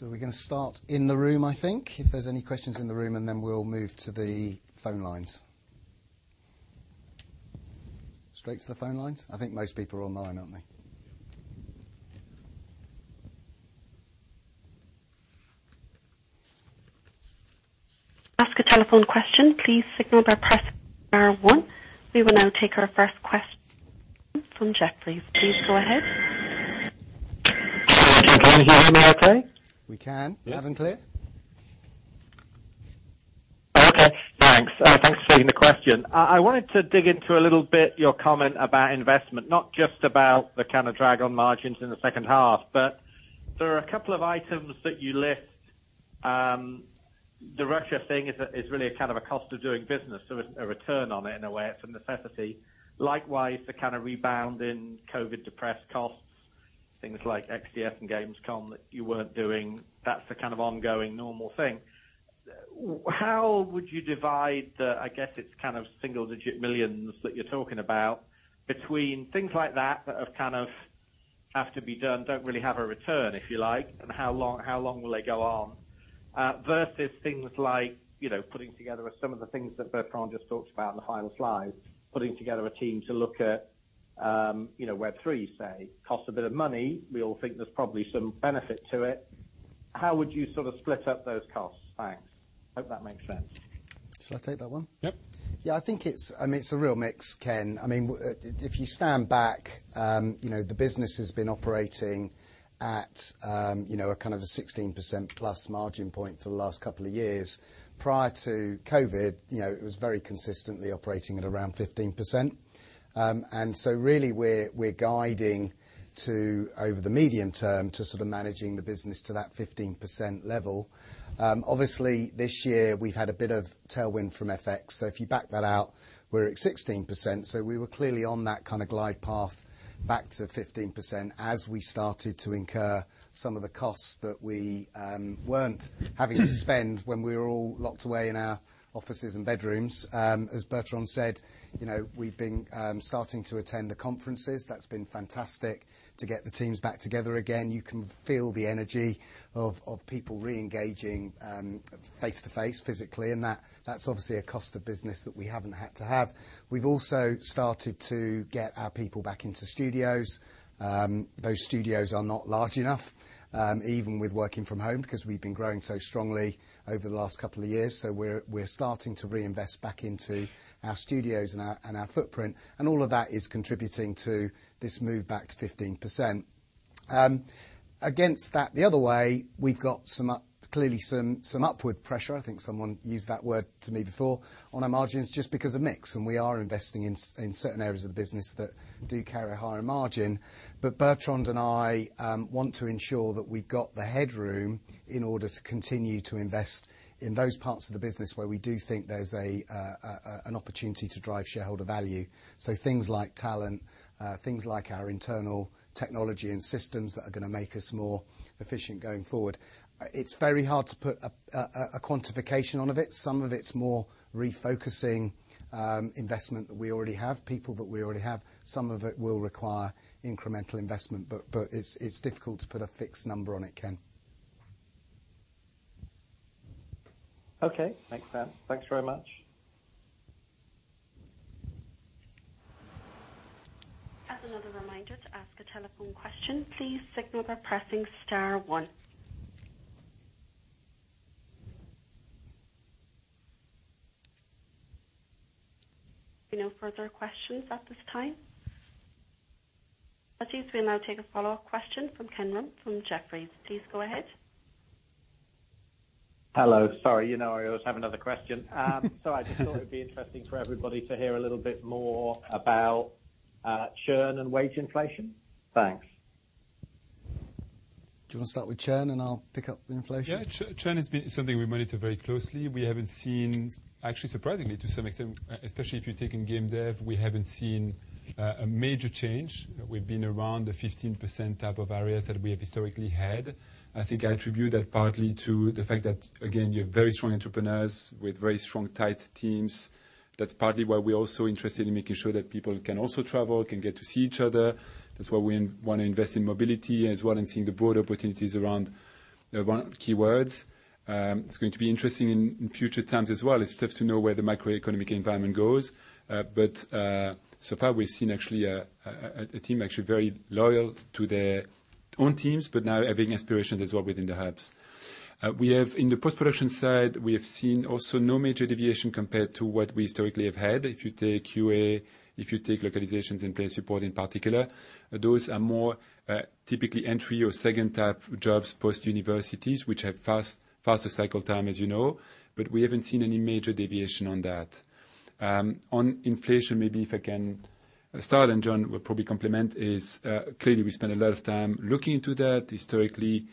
Q&A. We're gonna start in the room, I think, if there's any questions in the room, and then we'll move to the phone lines. Straight to the phone lines? I think most people are online, aren't they? To ask a telephone question, please signal by pressing star one. We will now take our first question from Jefferies. Please go ahead. Can you hear me okay? We can. Loud and clear. Okay, thanks. Thanks for taking the question. I wanted to dig into a little bit your comment about investment, not just about the kind of drag on margins in the second half, but there are a couple of items that you list. The Russia thing is really a kind of cost of doing business. So it's a return on it in a way. It's a necessity. Likewise, the kind of rebound in COVID-depressed costs, things like XDS and Gamescom that you weren't doing, that's the kind of ongoing normal thing. How would you divide, I guess it's kind of single-digit millions that you're talking about between things like that that have kind of have to be done, don't really have a return, if you like, and how long will they go on, versus things like, you know, putting together some of the things that Bertrand just talked about in the final slide, putting together a team to look at, you know, Web3 say. Cost a bit of money, we all think there's probably some benefit to it. How would you sort of split up those costs? Thanks. Hope that makes sense. Shall I take that one? Yep. Yeah, I think it's, I mean, it's a real mix, Ken. I mean, if you stand back, you know, the business has been operating at, you know, a kind of a 16% plus margin point for the last couple of years. Prior to COVID, you know, it was very consistently operating at around 15%. Really we're guiding to, over the medium term, to sort of managing the business to that 15% level. Obviously this year we've had a bit of tailwind from FX, so if you back that out, we're at 16%. We were clearly on that kinda glide path back to 15% as we started to incur some of the costs that we weren't having to spend when we were all locked away in our offices and bedrooms. As Bertrand said, you know, we've been starting to attend the conferences. That's been fantastic to get the teams back together again. You can feel the energy of people re-engaging face-to-face, physically, and that's obviously a cost of business that we haven't had to have. We've also started to get our people back into studios. Those studios are not large enough, even with working from home, because we've been growing so strongly over the last couple of years. So we're starting to reinvest back into our studios and our footprint, and all of that is contributing to this move back to 15%. Against that, the other way, we've got some upward pressure. I think someone used that word to me before, on our margins, just because of mix, and we are investing in certain areas of the business that do carry a higher margin. Bertrand and I want to ensure that we've got the headroom in order to continue to invest in those parts of the business where we do think there's an opportunity to drive shareholder value. Things like talent, things like our internal technology and systems that are gonna make us more efficient going forward. It's very hard to put a quantification on it. Some of it's more refocusing investment that we already have, people that we already have. Some of it will require incremental investment, but it's difficult to put a fixed number on it, Ken. Okay. Makes sense. Thanks very much. As another reminder to ask a telephone question, please signal by pressing star one. There are no further questions at this time. I'll now take a follow-up question from Kevin Sheridan from Jefferies. Please go ahead. Hello. Sorry, you know I always have another question. I just thought it'd be interesting for everybody to hear a little bit more about, churn and wage inflation. Thanks. Do you wanna start with churn, and I'll pick up the inflation? Yeah. Churn has been something we monitor very closely. We haven't seen actually, surprisingly to some extent, especially if you're taking Game Dev, a major change. We've been around the 15% type of areas that we have historically had. I think I attribute that partly to the fact that, again, you have very strong entrepreneurs with very strong, tight teams. That's partly why we're also interested in making sure that people can also travel, can get to see each other. That's why we wanna invest in mobility as well and seeing the broad opportunities around Keywords. It's going to be interesting in future times as well. It's tough to know where the macroeconomic environment goes, but so far we've seen actually a team actually very loyal to their own teams, but now having aspirations as well within the hubs. In the post-production side, we have seen also no major deviation compared to what we historically have had. If you take QA, if you take localizations and player support in particular, those are more typically entry or second type jobs, post-university, which have faster cycle time, as you know, but we haven't seen any major deviation on that. On inflation, maybe if I can start, and Jon will probably comment, clearly we spend a lot of time looking into that. Historically,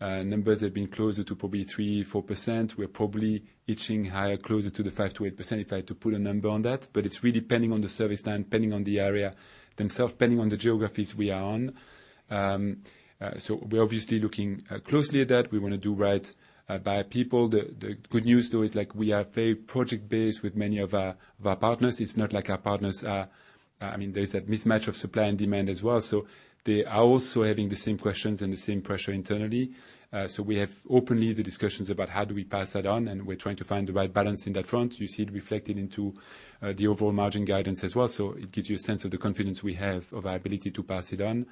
numbers have been closer to probably 3%-4%. We're probably edging higher, closer to the 5%-8%, if I had to put a number on that. But it's really depending on the service line, depending on the areas themselves, depending on the geographies we are on. We're obviously looking closely at that. We wanna do right by people. The good news, though, is like we are very project-based with many of our partners. It's not like our partners are. I mean, there is that mismatch of supply and demand as well. They are also having the same questions and the same pressure internally. We have openly the discussions about how do we pass that on, and we're trying to find the right balance in that front. You see it reflected into the overall margin guidance as well. It gives you a sense of the confidence we have of our ability to pass it on.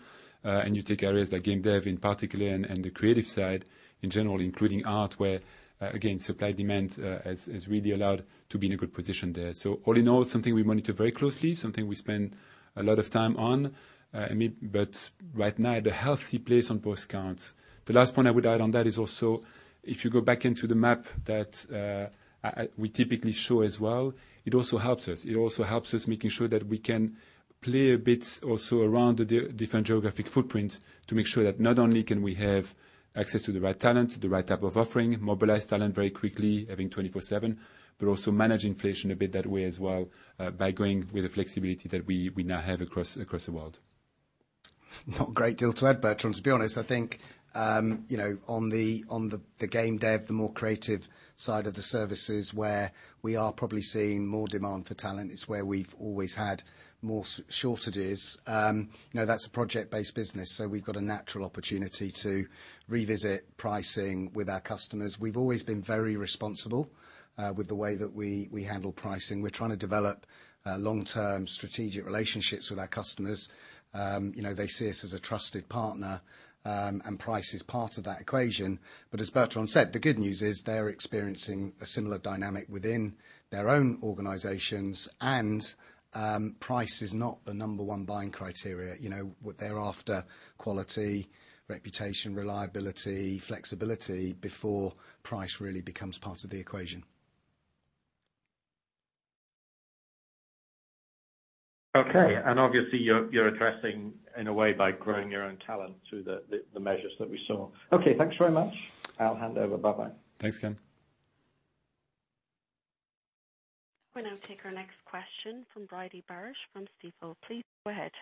You take areas like Game Dev in particular and the creative side in general, including art, where again, supply-demand has really allowed to be in a good position there. All in all, it's something we monitor very closely, something we spend a lot of time on. I mean, right now at a healthy place on both counts. The last point I would add on that is also, if you go back into the map that we typically show as well, it also helps us. It also helps us making sure that we can play a bit also around the different geographic footprint to make sure that not only can we have access to the right talent, the right type of offering, mobilize talent very quickly, having 24/7, but also manage inflation a bit that way as well, by going with the flexibility that we now have across the world. Not a great deal to add, Bertrand, to be honest. I think, you know, on the Game Dev, the more creative side of the services where we are probably seeing more demand for talent, it's where we've always had more shortages. You know, that's a project-based business, so we've got a natural opportunity to revisit pricing with our customers. We've always been very responsible with the way that we handle pricing. We're trying to develop long-term strategic relationships with our customers. You know, they see us as a trusted partner, and price is part of that equation. As Bertrand said, the good news is they're experiencing a similar dynamic within their own organizations. Price is not the number one buying criteria. You know, what they're after, quality, reputation, reliability, flexibility before price really becomes part of the equation. Okay. Obviously you're addressing in a way by growing your own talent through the measures that we saw. Okay, thanks very much. I'll hand over. Bye-bye. Thanks, Ken. We'll now take our next question from Bridie Barrett from Stifel. Please go ahead.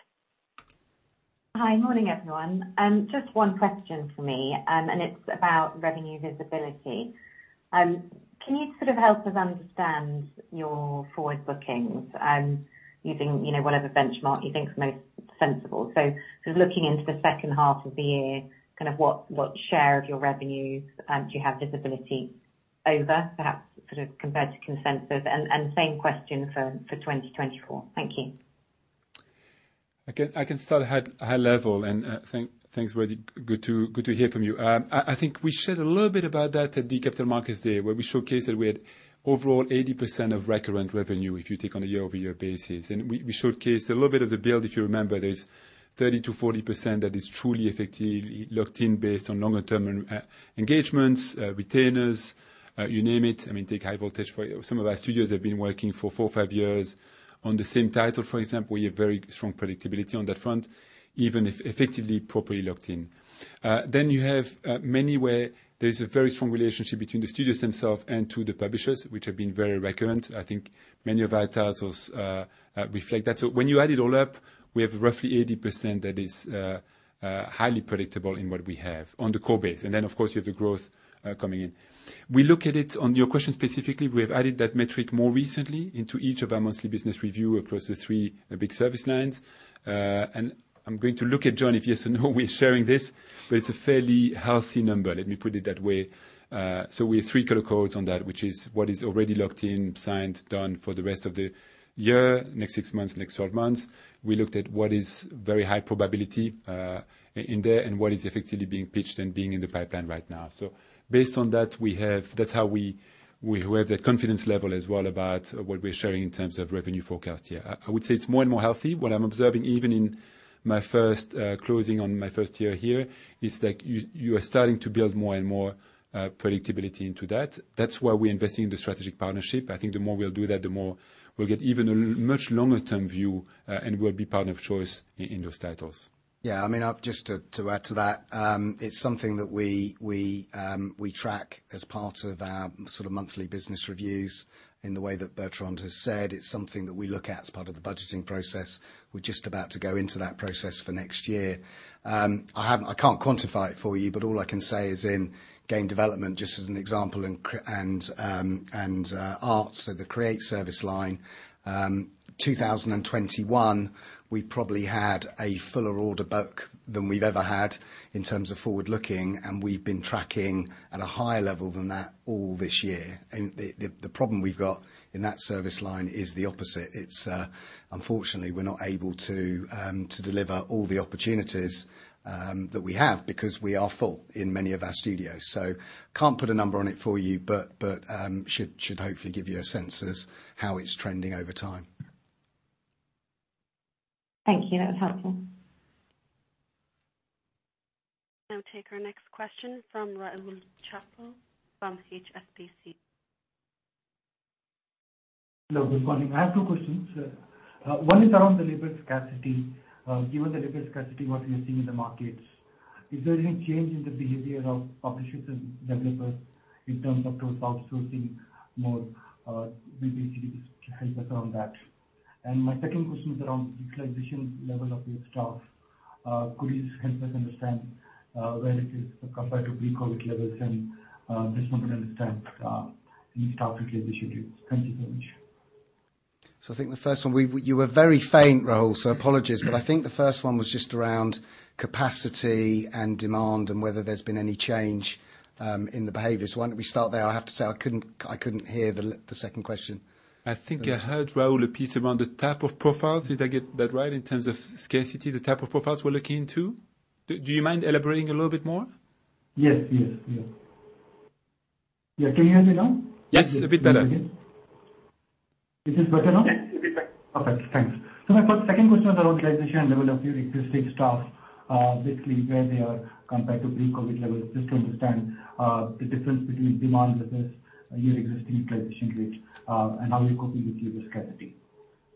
Hi. Morning, everyone. Just one question for me, and it's about revenue visibility. Can you sort of help us understand your forward bookings, using, you know, whatever benchmark you think is most sensible? Just looking into the second half of the year, kind of what share of your revenues do you have visibility over, perhaps sort of compared to consensus? Same question for 2024. Thank you. I can start at a high level and I think. Thanks, Bridie. Good to hear from you. I think we shared a little bit about that at the Capital Markets Day, where we showcased that we had overall 80% of recurring revenue, if you take on a year-over-year basis. We showcased a little bit of the build. If you remember, there's 30%-40% that is truly effectively locked in based on longer-term engagements, retainers, you name it. I mean, take High Voltage for. Some of our studios have been working for four, five years on the same title, for example. You have very strong predictability on that front, even if effectively properly locked in. You have many where there's a very strong relationship between the studios themselves and to the publishers, which have been very recurrent. I think many of our titles reflect that. When you add it all up, we have roughly 80% that is highly predictable in what we have on the core base. Of course, you have the growth coming in. We look at it. On your question specifically, we have added that metric more recently into each of our monthly business review across the three big service lines. I'm going to look at Jon if yes or no we're sharing this, but it's a fairly healthy number. Let me put it that way. We have three color codes on that, which is what is already locked in, signed, done for the rest of the year, next 6 months, next 12 months. We looked at what is very high probability in there, and what is effectively being pitched and being in the pipeline right now. Based on that, we have that confidence level as well about what we're sharing in terms of revenue forecast here. I would say it's more and more healthy. What I'm observing, even in my first closing on my first year here, is like you are starting to build more and more predictability into that. That's why we're investing in the strategic partnership. I think the more we'll do that, the more we'll get even a much longer term view, and we'll be partner of choice in those titles. Yeah. I mean, just to add to that, it's something that we track as part of our sort of monthly business reviews in the way that Bertrand has said. It's something that we look at as part of the budgeting process. We're just about to go into that process for next year. I can't quantify it for you, but all I can say is in game development, just as an example, and Arts, so the Create service line, 2021, we probably had a fuller order book than we've ever had in terms of forward-looking, and we've been tracking at a higher level than that all this year. The problem we've got in that service line is the opposite. It's unfortunately we're not able to deliver all the opportunities that we have because we are full in many of our studios. Can't put a number on it for you, but should hopefully give you a sense of how it's trending over time. Thank you. That was helpful. I'll take our next question from Rahul Chopra from HSBC. Hello. Good morning. I have two questions. One is around the labor scarcity. Given the labor scarcity, what you're seeing in the markets, is there any change in the behavior of publishers and developers in terms of towards outsourcing more? Maybe just help us around that. My second question is around utilization level of your staff. Could you help us understand where it is compared to pre-COVID levels and just want to understand any topic you wish you do. Thank you so much. I think the first one you were very faint, Rahul, so apologies. I think the first one was just around capacity and demand and whether there's been any change in the behaviors. Why don't we start there? I have to say I couldn't hear the second question. I think I heard Rahul, a piece around the type of profiles. Did I get that right? In terms of scarcity, the type of profiles we're looking into. Do you mind elaborating a little bit more? Yes, yes. Yeah. Can you hear me now? Yes, a bit better. Is this better now? Yes, a bit better. Perfect. Thanks. My second question was around utilization level of your existing staff, basically where they are compared to pre-COVID levels, just to understand the difference between demand versus your existing transition rate, and how you're coping with labor scarcity.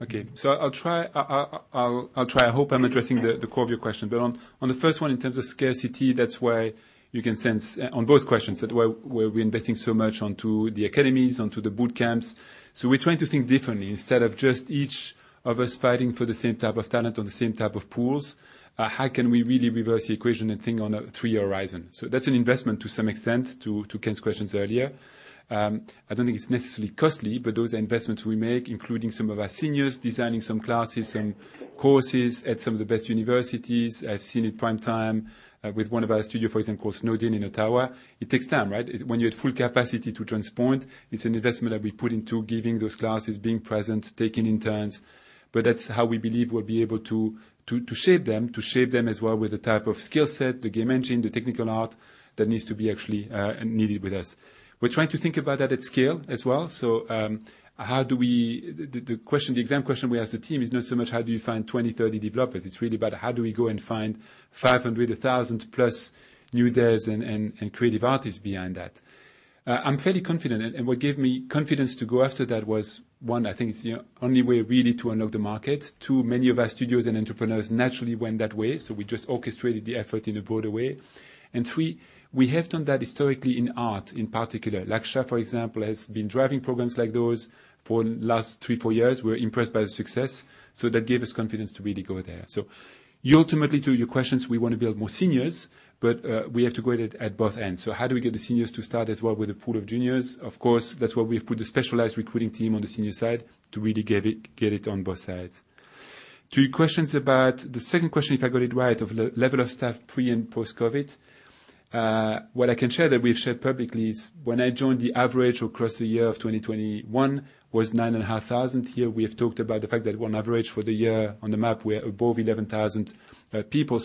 Okay, I'll try. I hope I'm addressing the core of your question. On the first one in terms of scarcity, that's why you can sense on both questions why we're investing so much onto the academies, onto the boot camps. We're trying to think differently. Instead of just each of us fighting for the same type of talent on the same type of pools, how can we really reverse the equation and think on a three-year horizon? That's an investment to some extent, to Ken's questions earlier. I don't think it's necessarily costly, but those are investments we make, including some of our seniors designing some classes and courses at some of the best universities. I've seen it firsthand with one of our studios, for example, called Snowed In Studios in Ottawa. It takes time, right? When you're at full capacity to transport, it's an investment that we put into giving those classes, being present, taking interns. That's how we believe we'll be able to shape them as well with the type of skill set, the game engine, the technical art that needs to be actually needed with us. We're trying to think about that at scale as well. The question, the exam question we ask the team is not so much how do you find 20, 30 developers? It's really about how do we go and find 500, 1,000 plus new devs and creative artists behind that. I'm fairly confident and what gave me confidence to go after that was, one, I think it's the only way really to unlock the market. Two, many of our studios and entrepreneurs naturally went that way, so we just orchestrated the effort in a broader way. Three, we have done that historically in art in particular. Lakshya, for example, has been driving programs like those for last three, four years. We're impressed by the success, so that gave us confidence to really go there. Ultimately to your questions, we want to build more seniors, but we have to grow it at both ends. How do we get the seniors to start as well with a pool of juniors? Of course, that's why we've put a specialized recruiting team on the senior side to really get it on both sides. To your questions about the second question, if I got it right, of level of staff pre- and post-COVID. What I can share that we've shared publicly is when I joined the average across the year of 2021 was 9,500. Here we have talked about the fact that on average for the year on the map, we're above 11,000 people.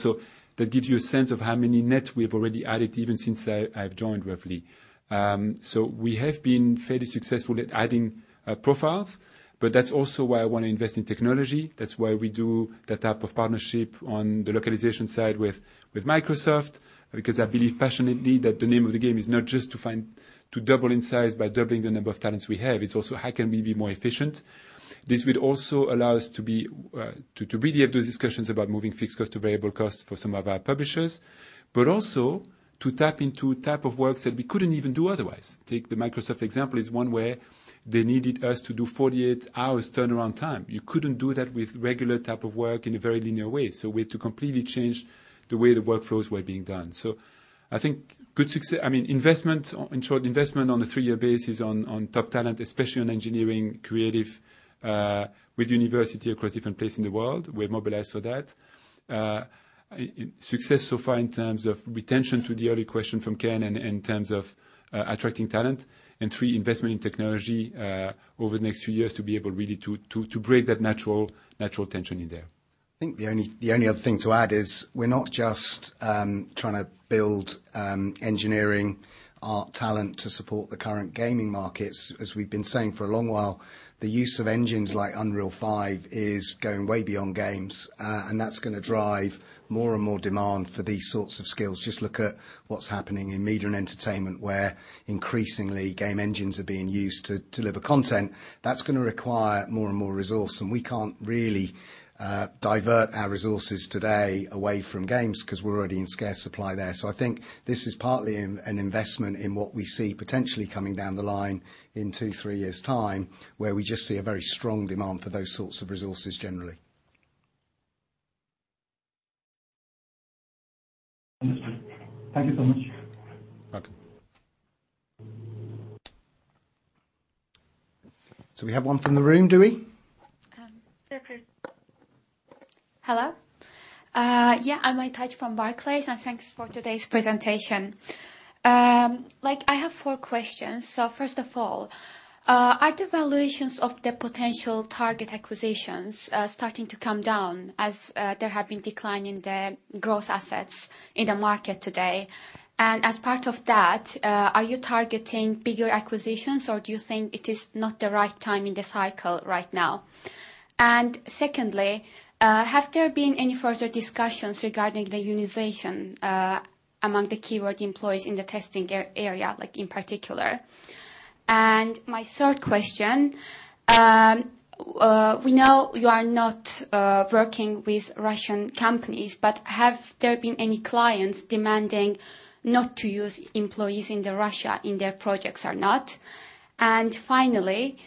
That gives you a sense of how many net we have already added even since I've joined, roughly. We have been fairly successful at adding profiles, but that's also why I wanna invest in technology. That's why we do that type of partnership on the localization side with Microsoft, because I believe passionately that the name of the game is not just to double in size by doubling the number of talents we have. It's also how can we be more efficient. This will also allow us to really have those discussions about moving fixed cost to variable cost for some of our publishers. Also to tap into type of works that we couldn't even do otherwise. Take the Microsoft example is one where they needed us to do 48 hours turnaround time. You couldn't do that with regular type of work in a very linear way. We had to completely change the way the workflows were being done. I think, I mean, investment, in short, investment on a three-year basis on top talent, especially on engineering, creative, with university across different places in the world. We're mobilized for that. Success so far in terms of retention to the early question from Ken in terms of attracting talent. Three, investment in technology over the next few years to be able really to break that natural tension in there. I think the only other thing to add is we're not just trying to build engineering art talent to support the current gaming markets. As we've been saying for a long while, the use of engines like Unreal 5 is going way beyond games. That's gonna drive more and more demand for these sorts of skills. Just look at what's happening in Media and Entertainment, where increasingly game engines are being used to deliver content. That's gonna require more and more resource, and we can't really divert our resources today away from games 'cause we're already in scarce supply there. I think this is partly an investment in what we see potentially coming down the line in two-three years' time, where we just see a very strong demand for those sorts of resources generally. Understood. Thank you so much. Welcome. We have one from the room, do we? Sure can. Hello. Yeah, I'm Aytac from Barclays, and thanks for today's presentation. Like, I have four questions. First of all, are the valuations of the potential target acquisitions starting to come down as there have been decline in the gross assets in the market today? And as part of that, are you targeting bigger acquisitions, or do you think it is not the right time in the cycle right now? Secondly, have there been any further discussions regarding the unionization among the Keywords employees in the testing area, like in particular? My third question, we know you are not working with Russian companies, but have there been any clients demanding not to use employees in Russia in their projects or not? Finally,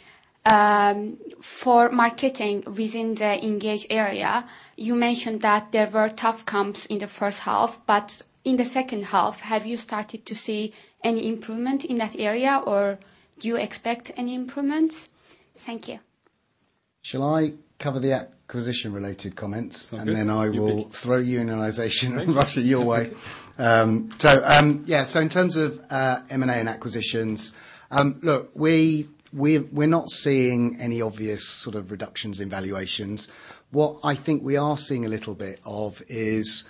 for marketing within the Engage area, you mentioned that there were tough comps in the first half, but in the second half, have you started to see any improvement in that area, or do you expect any improvements? Thank you. Shall I cover the acquisition-related comments? Sounds good. You bet. I will throw unionization and Russia your way. Yeah, in terms of M&A and acquisitions, look, we're not seeing any obvious sort of reductions in valuations. What I think we are seeing a little bit of is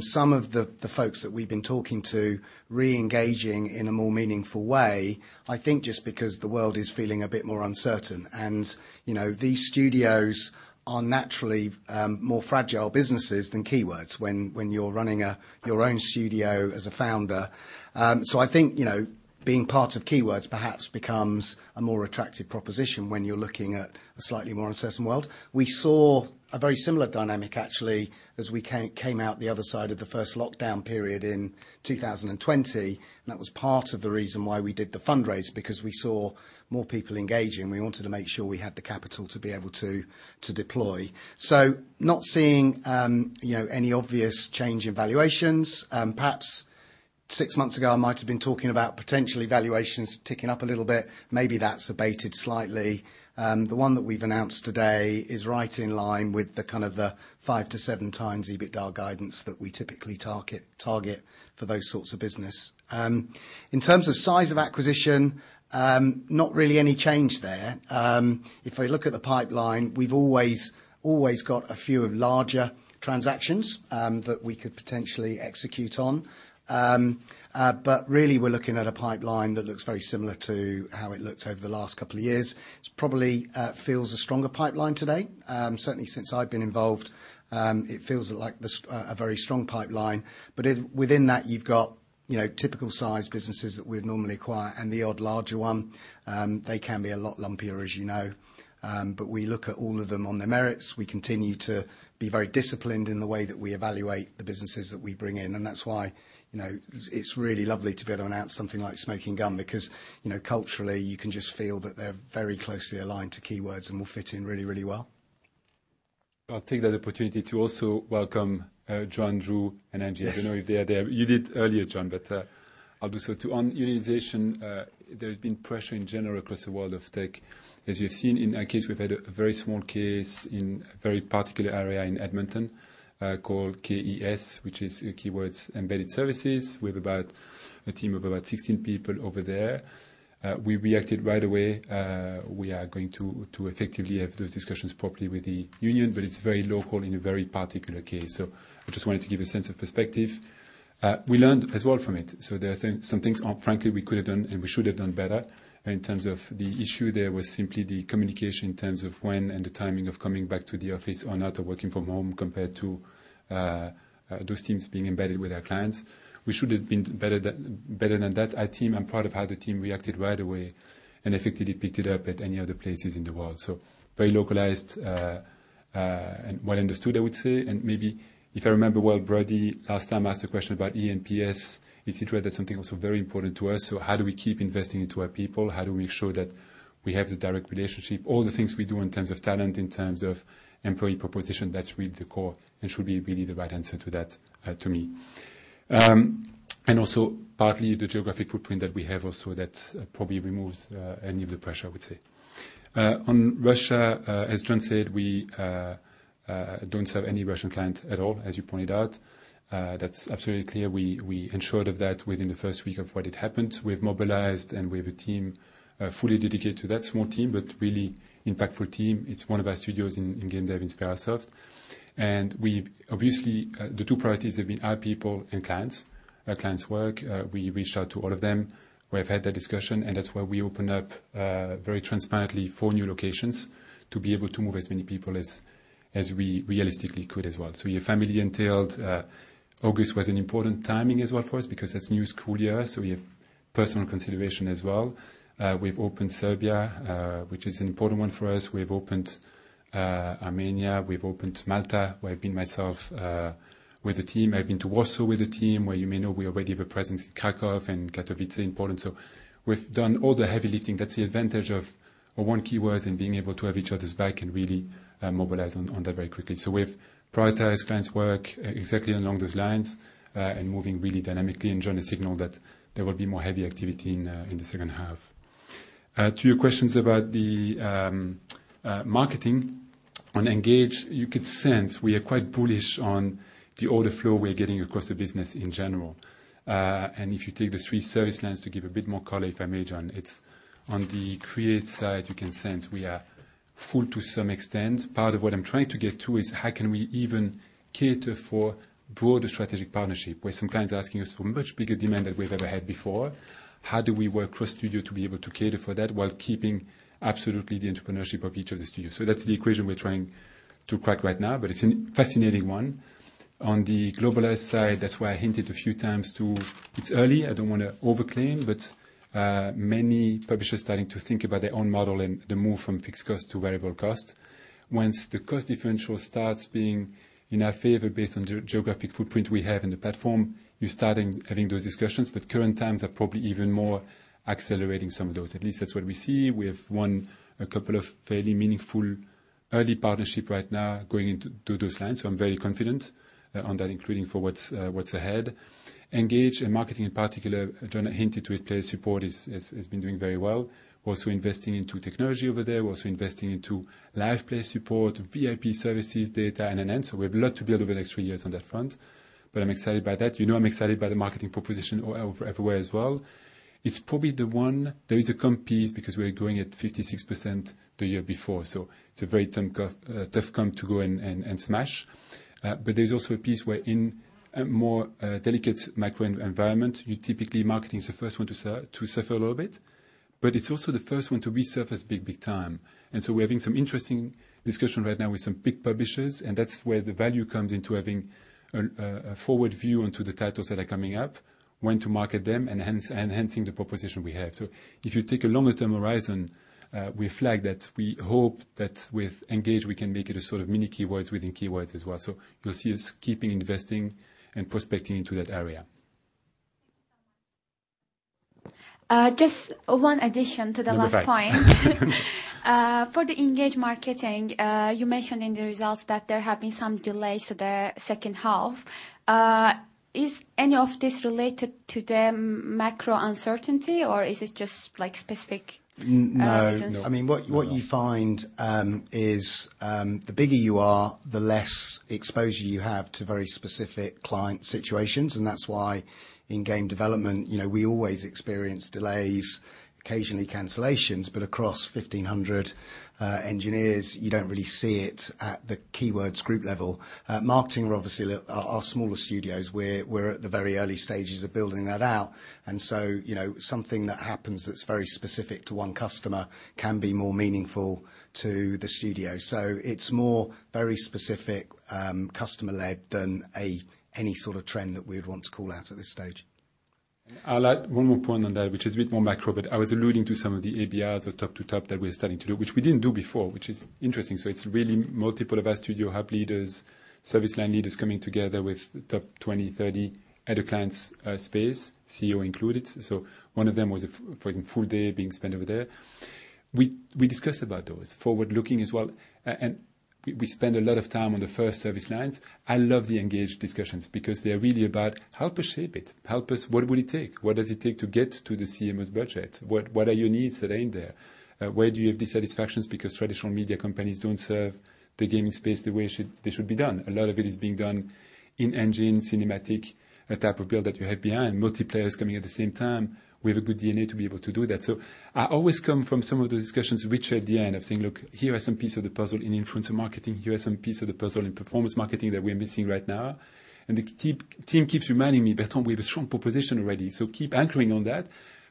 some of the folks that we've been talking to re-engaging in a more meaningful way, I think, just because the world is feeling a bit more uncertain. You know, these studios are naturally more fragile businesses than Keywords when you're running your own studio as a founder. I think, you know, being part of Keywords perhaps becomes a more attractive proposition when you're looking at a slightly more uncertain world. We saw a very similar dynamic, actually, as we came out the other side of the first lockdown period in 2020, and that was part of the reason why we did the fundraise, because we saw more people engaging. We wanted to make sure we had the capital to be able to deploy. Not seeing, you know, any obvious change in valuations. Perhaps six months ago, I might have been talking about potentially valuations ticking up a little bit. Maybe that's abated slightly. The one that we've announced today is right in line with the kind of the five-seven times EBITDA guidance that we typically target for those sorts of business. In terms of size of acquisition, not really any change there. If we look at the pipeline, we've always got a few larger transactions that we could potentially execute on. Really, we're looking at a pipeline that looks very similar to how it looked over the last couple of years. It probably feels a stronger pipeline today. Certainly since I've been involved, it feels like a very strong pipeline. Within that you've got, you know, typical sized businesses that we'd normally acquire and the odd larger one. They can be a lot lumpier, as you know. We look at all of them on their merits. We continue to be very disciplined in the way that we evaluate the businesses that we bring in. That's why, you know, it's really lovely to be able to announce something like Smoking Gun because, you know, culturally, you can just feel that they're very closely aligned to Keywords and will fit in really, really well. I'll take that opportunity to also welcome Jon, Drew, and Angie. Yes. I don't know if they are there. You did earlier, Jon, but I'll do so, too. On unionization, there has been pressure in general across the world of tech. As you have seen in our case, we've had a very small case in a very particular area in Edmonton, called KES, which is Keywords Embedded Services. We have about a team of about 16 people over there. We reacted right away. We are going to effectively have those discussions properly with the union, but it's very local in a very particular case. I just wanted to give a sense of perspective. We learned as well from it. Some things frankly, we could have done and we should have done better. In terms of the issue, there was simply the communication in terms of when and the timing of coming back to the office or not, or working from home compared to those teams being embedded with our clients. We should have been better than that. Our team, I'm proud of how the team reacted right away and effectively picked it up at any other places in the world. So very localized and well understood, I would say. Maybe if I remember well, Bridie last time asked a question about eNPS. It's something also very important to us. So how do we keep investing into our people? How do we make sure that we have the direct relationship? All the things we do in terms of talent, in terms of employee proposition, that's really the core and should be really the right answer to that, to me. Also partly the geographic footprint that we have also that probably removes any of the pressure, I would say. On Russia, as Jon said, we don't serve any Russian client at all, as you pointed out. That's absolutely clear. We ensured of that within the first week of what had happened. We've mobilized, and we have a team fully dedicated to that small team, but really impactful team. It's one of our studios in Game Dev in Sperasoft. Obviously, the two priorities have been our people and clients, our clients' work. We reached out to all of them. We have had that discussion, and that's why we opened up very transparently four new locations to be able to move as many people as we realistically could as well. You're familiar, it entailed August was an important timing as well for us because that's new school year, so we have personal consideration as well. We've opened Serbia, which is an important one for us. We've opened Armenia, we've opened Malta, where I've been myself with the team. I've been to Warsaw with the team, where you may know we already have a presence in Kraków and Katowice in Poland. We've done all the heavy lifting. That's the advantage of one Keywords and being able to have each other's back and really mobilize on that very quickly. We've prioritized clients' work exactly along those lines and moving really dynamically. Jon has signaled that there will be more heavy activity in the second half. To your questions about the marketing on Engage, you could sense we are quite bullish on the order flow we're getting across the business in general. If you take the three service lines to give a bit more color, if I may, Jon, it's on the Create side, you can sense we are full to some extent. Part of what I'm trying to get to is how can we even cater for broader strategic partnership, where some clients are asking us for much bigger demand than we've ever had before. How do we work cross-studio to be able to cater for that while keeping absolutely the entrepreneurship of each of the studios? That's the equation we're trying to crack right now, but it's a fascinating one. On the Globalize side, that's why I hinted a few times too. It's early, I don't wanna over claim, but many publishers starting to think about their own model and the move from fixed cost to variable cost. Once the cost differential starts being in our favor based on geographic footprint we have in the platform, you're starting having those discussions, but current times are probably even more accelerating some of those. At least that's what we see. We have won a couple of fairly meaningful early partnership right now going into to those lines. I'm very confident on that, including for what's ahead. Engage in marketing in particular, Jon hinted to it, player support has been doing very well. Also investing into technology over there. We're also investing into Live Play Support, VIP services, data and AI. We have a lot to build over the next three years on that front, but I'm excited by that. I'm excited by the marketing proposition over everywhere as well. It's probably the one. There is a comp piece because we're growing at 56% the year before, so it's a very tough comp to go and smash. But there's also a piece where in a more delicate macro environment, you typically, marketing is the first one to suffer a little bit, but it's also the first one to resurface big time. We're having some interesting discussion right now with some big publishers, and that's where the value comes into having a forward view onto the titles that are coming up, when to market them, and hence enhancing the proposition we have. If you take a longer term horizon, we flag that we hope that with Engage we can make it a sort of mini Keywords within Keywords as well. You'll see us keeping investing and prospecting into that area. Just one addition to the last point. All right. For the Engage marketing, you mentioned in the results that there have been some delays to the second half. Is any of this related to the macro uncertainty or is it just like specific reasons? N-no. No. I mean, what you find is the bigger you are, the less exposure you have to very specific client situations. That's why in game development, you know, we always experience delays, occasionally cancellations, but across 1,500 engineers, you don't really see it at the Keywords group level. Marketing are obviously our smaller studios. We're at the very early stages of building that out, and you know, something that happens that's very specific to one customer can be more meaningful to the studio. It's more very specific customer-led than any sort of trend that we would want to call out at this stage. I'll add one more point on that, which is a bit more macro, but I was alluding to some of the ABRs or top to top that we're starting to do, which we didn't do before, which is interesting. It's really multiple of our studio hub leaders, service line leaders coming together with top 20-30 at a client's space, CEO included. One of them was for example, full day being spent over there. We discussed about those forward-looking as well. We spend a lot of time on the first service lines. I love the Engage discussions because they're really about help us shape it, help us. What will it take? What does it take to get to the CMO's budget? What are your needs that ain't there? Where do you have dissatisfactions because traditional media companies don't serve the gaming space the way it should—they should be done. A lot of it is being done in engine, cinematic, a type of build that you have behind, multiplayer coming at the same time. We have a good DNA to be able to do that. I always come from some of the discussions, which end up saying, "Look, here are some pieces of the puzzle in influencer marketing. Here are some pieces of the puzzle in performance marketing that we are missing right now." The team keeps reminding me, "Bertrand, we have a strong proposition already, so keep anchoring on that."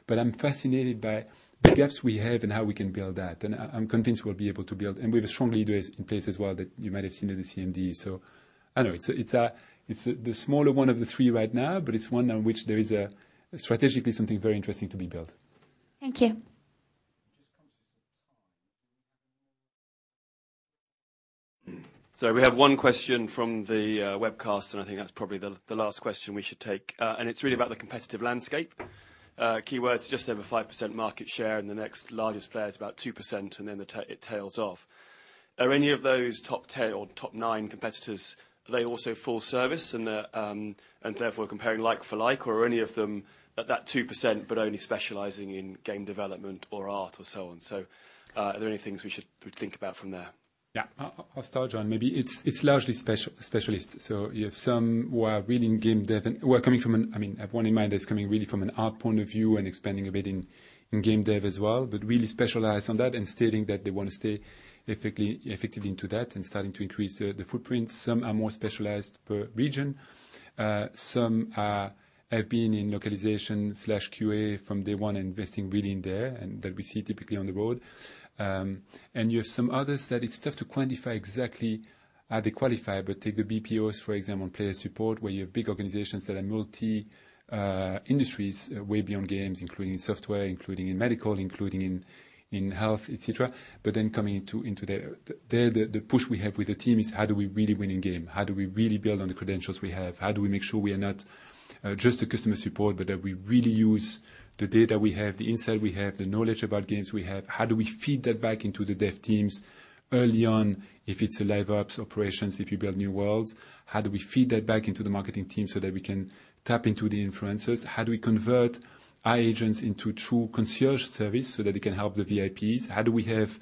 I'm fascinated by the gaps we have and how we can build that, and I'm convinced we'll be able to build. We have strong leadership in place as well that you might have seen in the CMD. Anyway, it's the smaller one of the three right now, but it's one on which there is a strategically something very interesting to be built. Thank you. Just conscious of time. Do we have any more? We have one question from the webcast, and I think that's probably the last question we should take. It's really about the competitive landscape. Keywords just over 5% market share, and the next largest player is about 2%, and then it tails off. Are any of those top nine competitors also full service and therefore comparing like for like or any of them at that 2% but only specializing in game development or art or so on. Are there any things we should think about from there? I'll start, Jon. Maybe it's largely specialist. You have some who are really in Game Dev and who are coming from an art point of view and expanding a bit in Game Dev as well, but really specialize on that and stating that they wanna stay effectively into that and starting to increase the footprint. Some are more specialized per region. Some have been in localization/QA from day one, investing really in there, and that we see typically on the road. You have some others that it's tough to quantify exactly how they qualify, but take the BPOs, for example, player support, where you have big organizations that are multi-industries way beyond games, including software, including in medical, including in health, et cetera. Coming into the push we have with the team is how do we really win in game? How do we really build on the credentials we have? How do we make sure we are not just a customer support, but that we really use the data we have, the insight we have, the knowledge about games we have? How do we feed that back into the dev teams early on, if it's a Live Ops operations, if you build new worlds? How do we feed that back into the marketing team so that we can tap into the influencers? How do we convert our agents into true concierge service so that they can help the VIPs? How do we have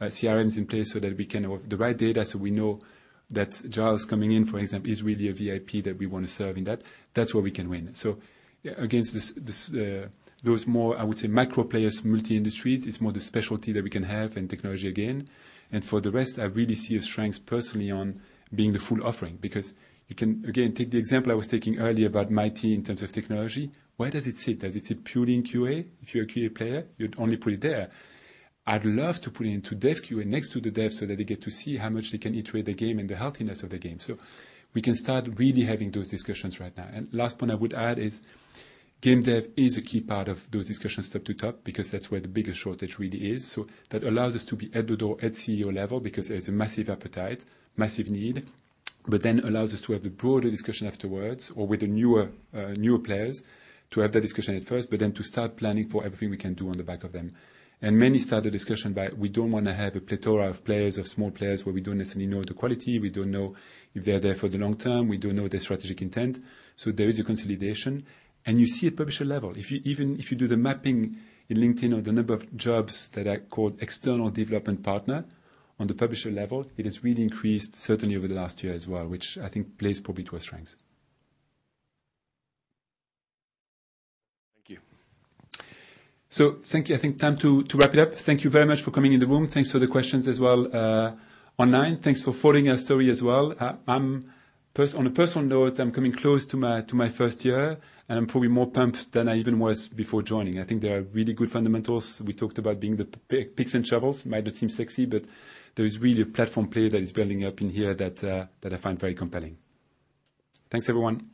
CRMs in place so that we can have the right data so we know that Giles coming in, for example, is really a VIP that we wanna serve in that? That's where we can win. Against this, those more, I would say, micro players, multi-industries, it's more the specialty that we can have and technology again. For the rest, I really see a strength personally on being the full offering because you can, again, take the example I was taking earlier about Mighty in terms of technology. Where does it sit? Does it sit purely in QA? If you're a QA player, you'd only put it there. I'd love to put it into Dev QA next to the dev so that they get to see how much they can iterate the game and the healthiness of the game. We can start really having those discussions right now. Last point I would add is Game Dev is a key part of those discussions top to top, because that's where the biggest shortage really is. That allows us to be at the door at CEO level because there's a massive appetite, massive need, but then allows us to have the broader discussion afterwards or with the newer players to have that discussion at first, but then to start planning for everything we can do on the back of them. Many start the discussion by, we don't wanna have a plethora of players, of small players where we don't necessarily know the quality, we don't know if they're there for the long term, we don't know their strategic intent. There is a consolidation. You see at publisher level, if you, even if you do the mapping in LinkedIn or the number of jobs that are called External Development Partner on the publisher level, it has really increased certainly over the last year as well, which I think plays probably to our strengths. Thank you. Thank you. I think it's time to wrap it up. Thank you very much for coming in the room. Thanks for the questions as well, online. Thanks for following our story as well. On a personal note, I'm coming close to my first year, and I'm probably more pumped than I even was before joining. I think there are really good fundamentals. We talked about being the picks and shovels. Might not seem sexy, but there is really a platform player that is building up in here that I find very compelling. Thanks, everyone.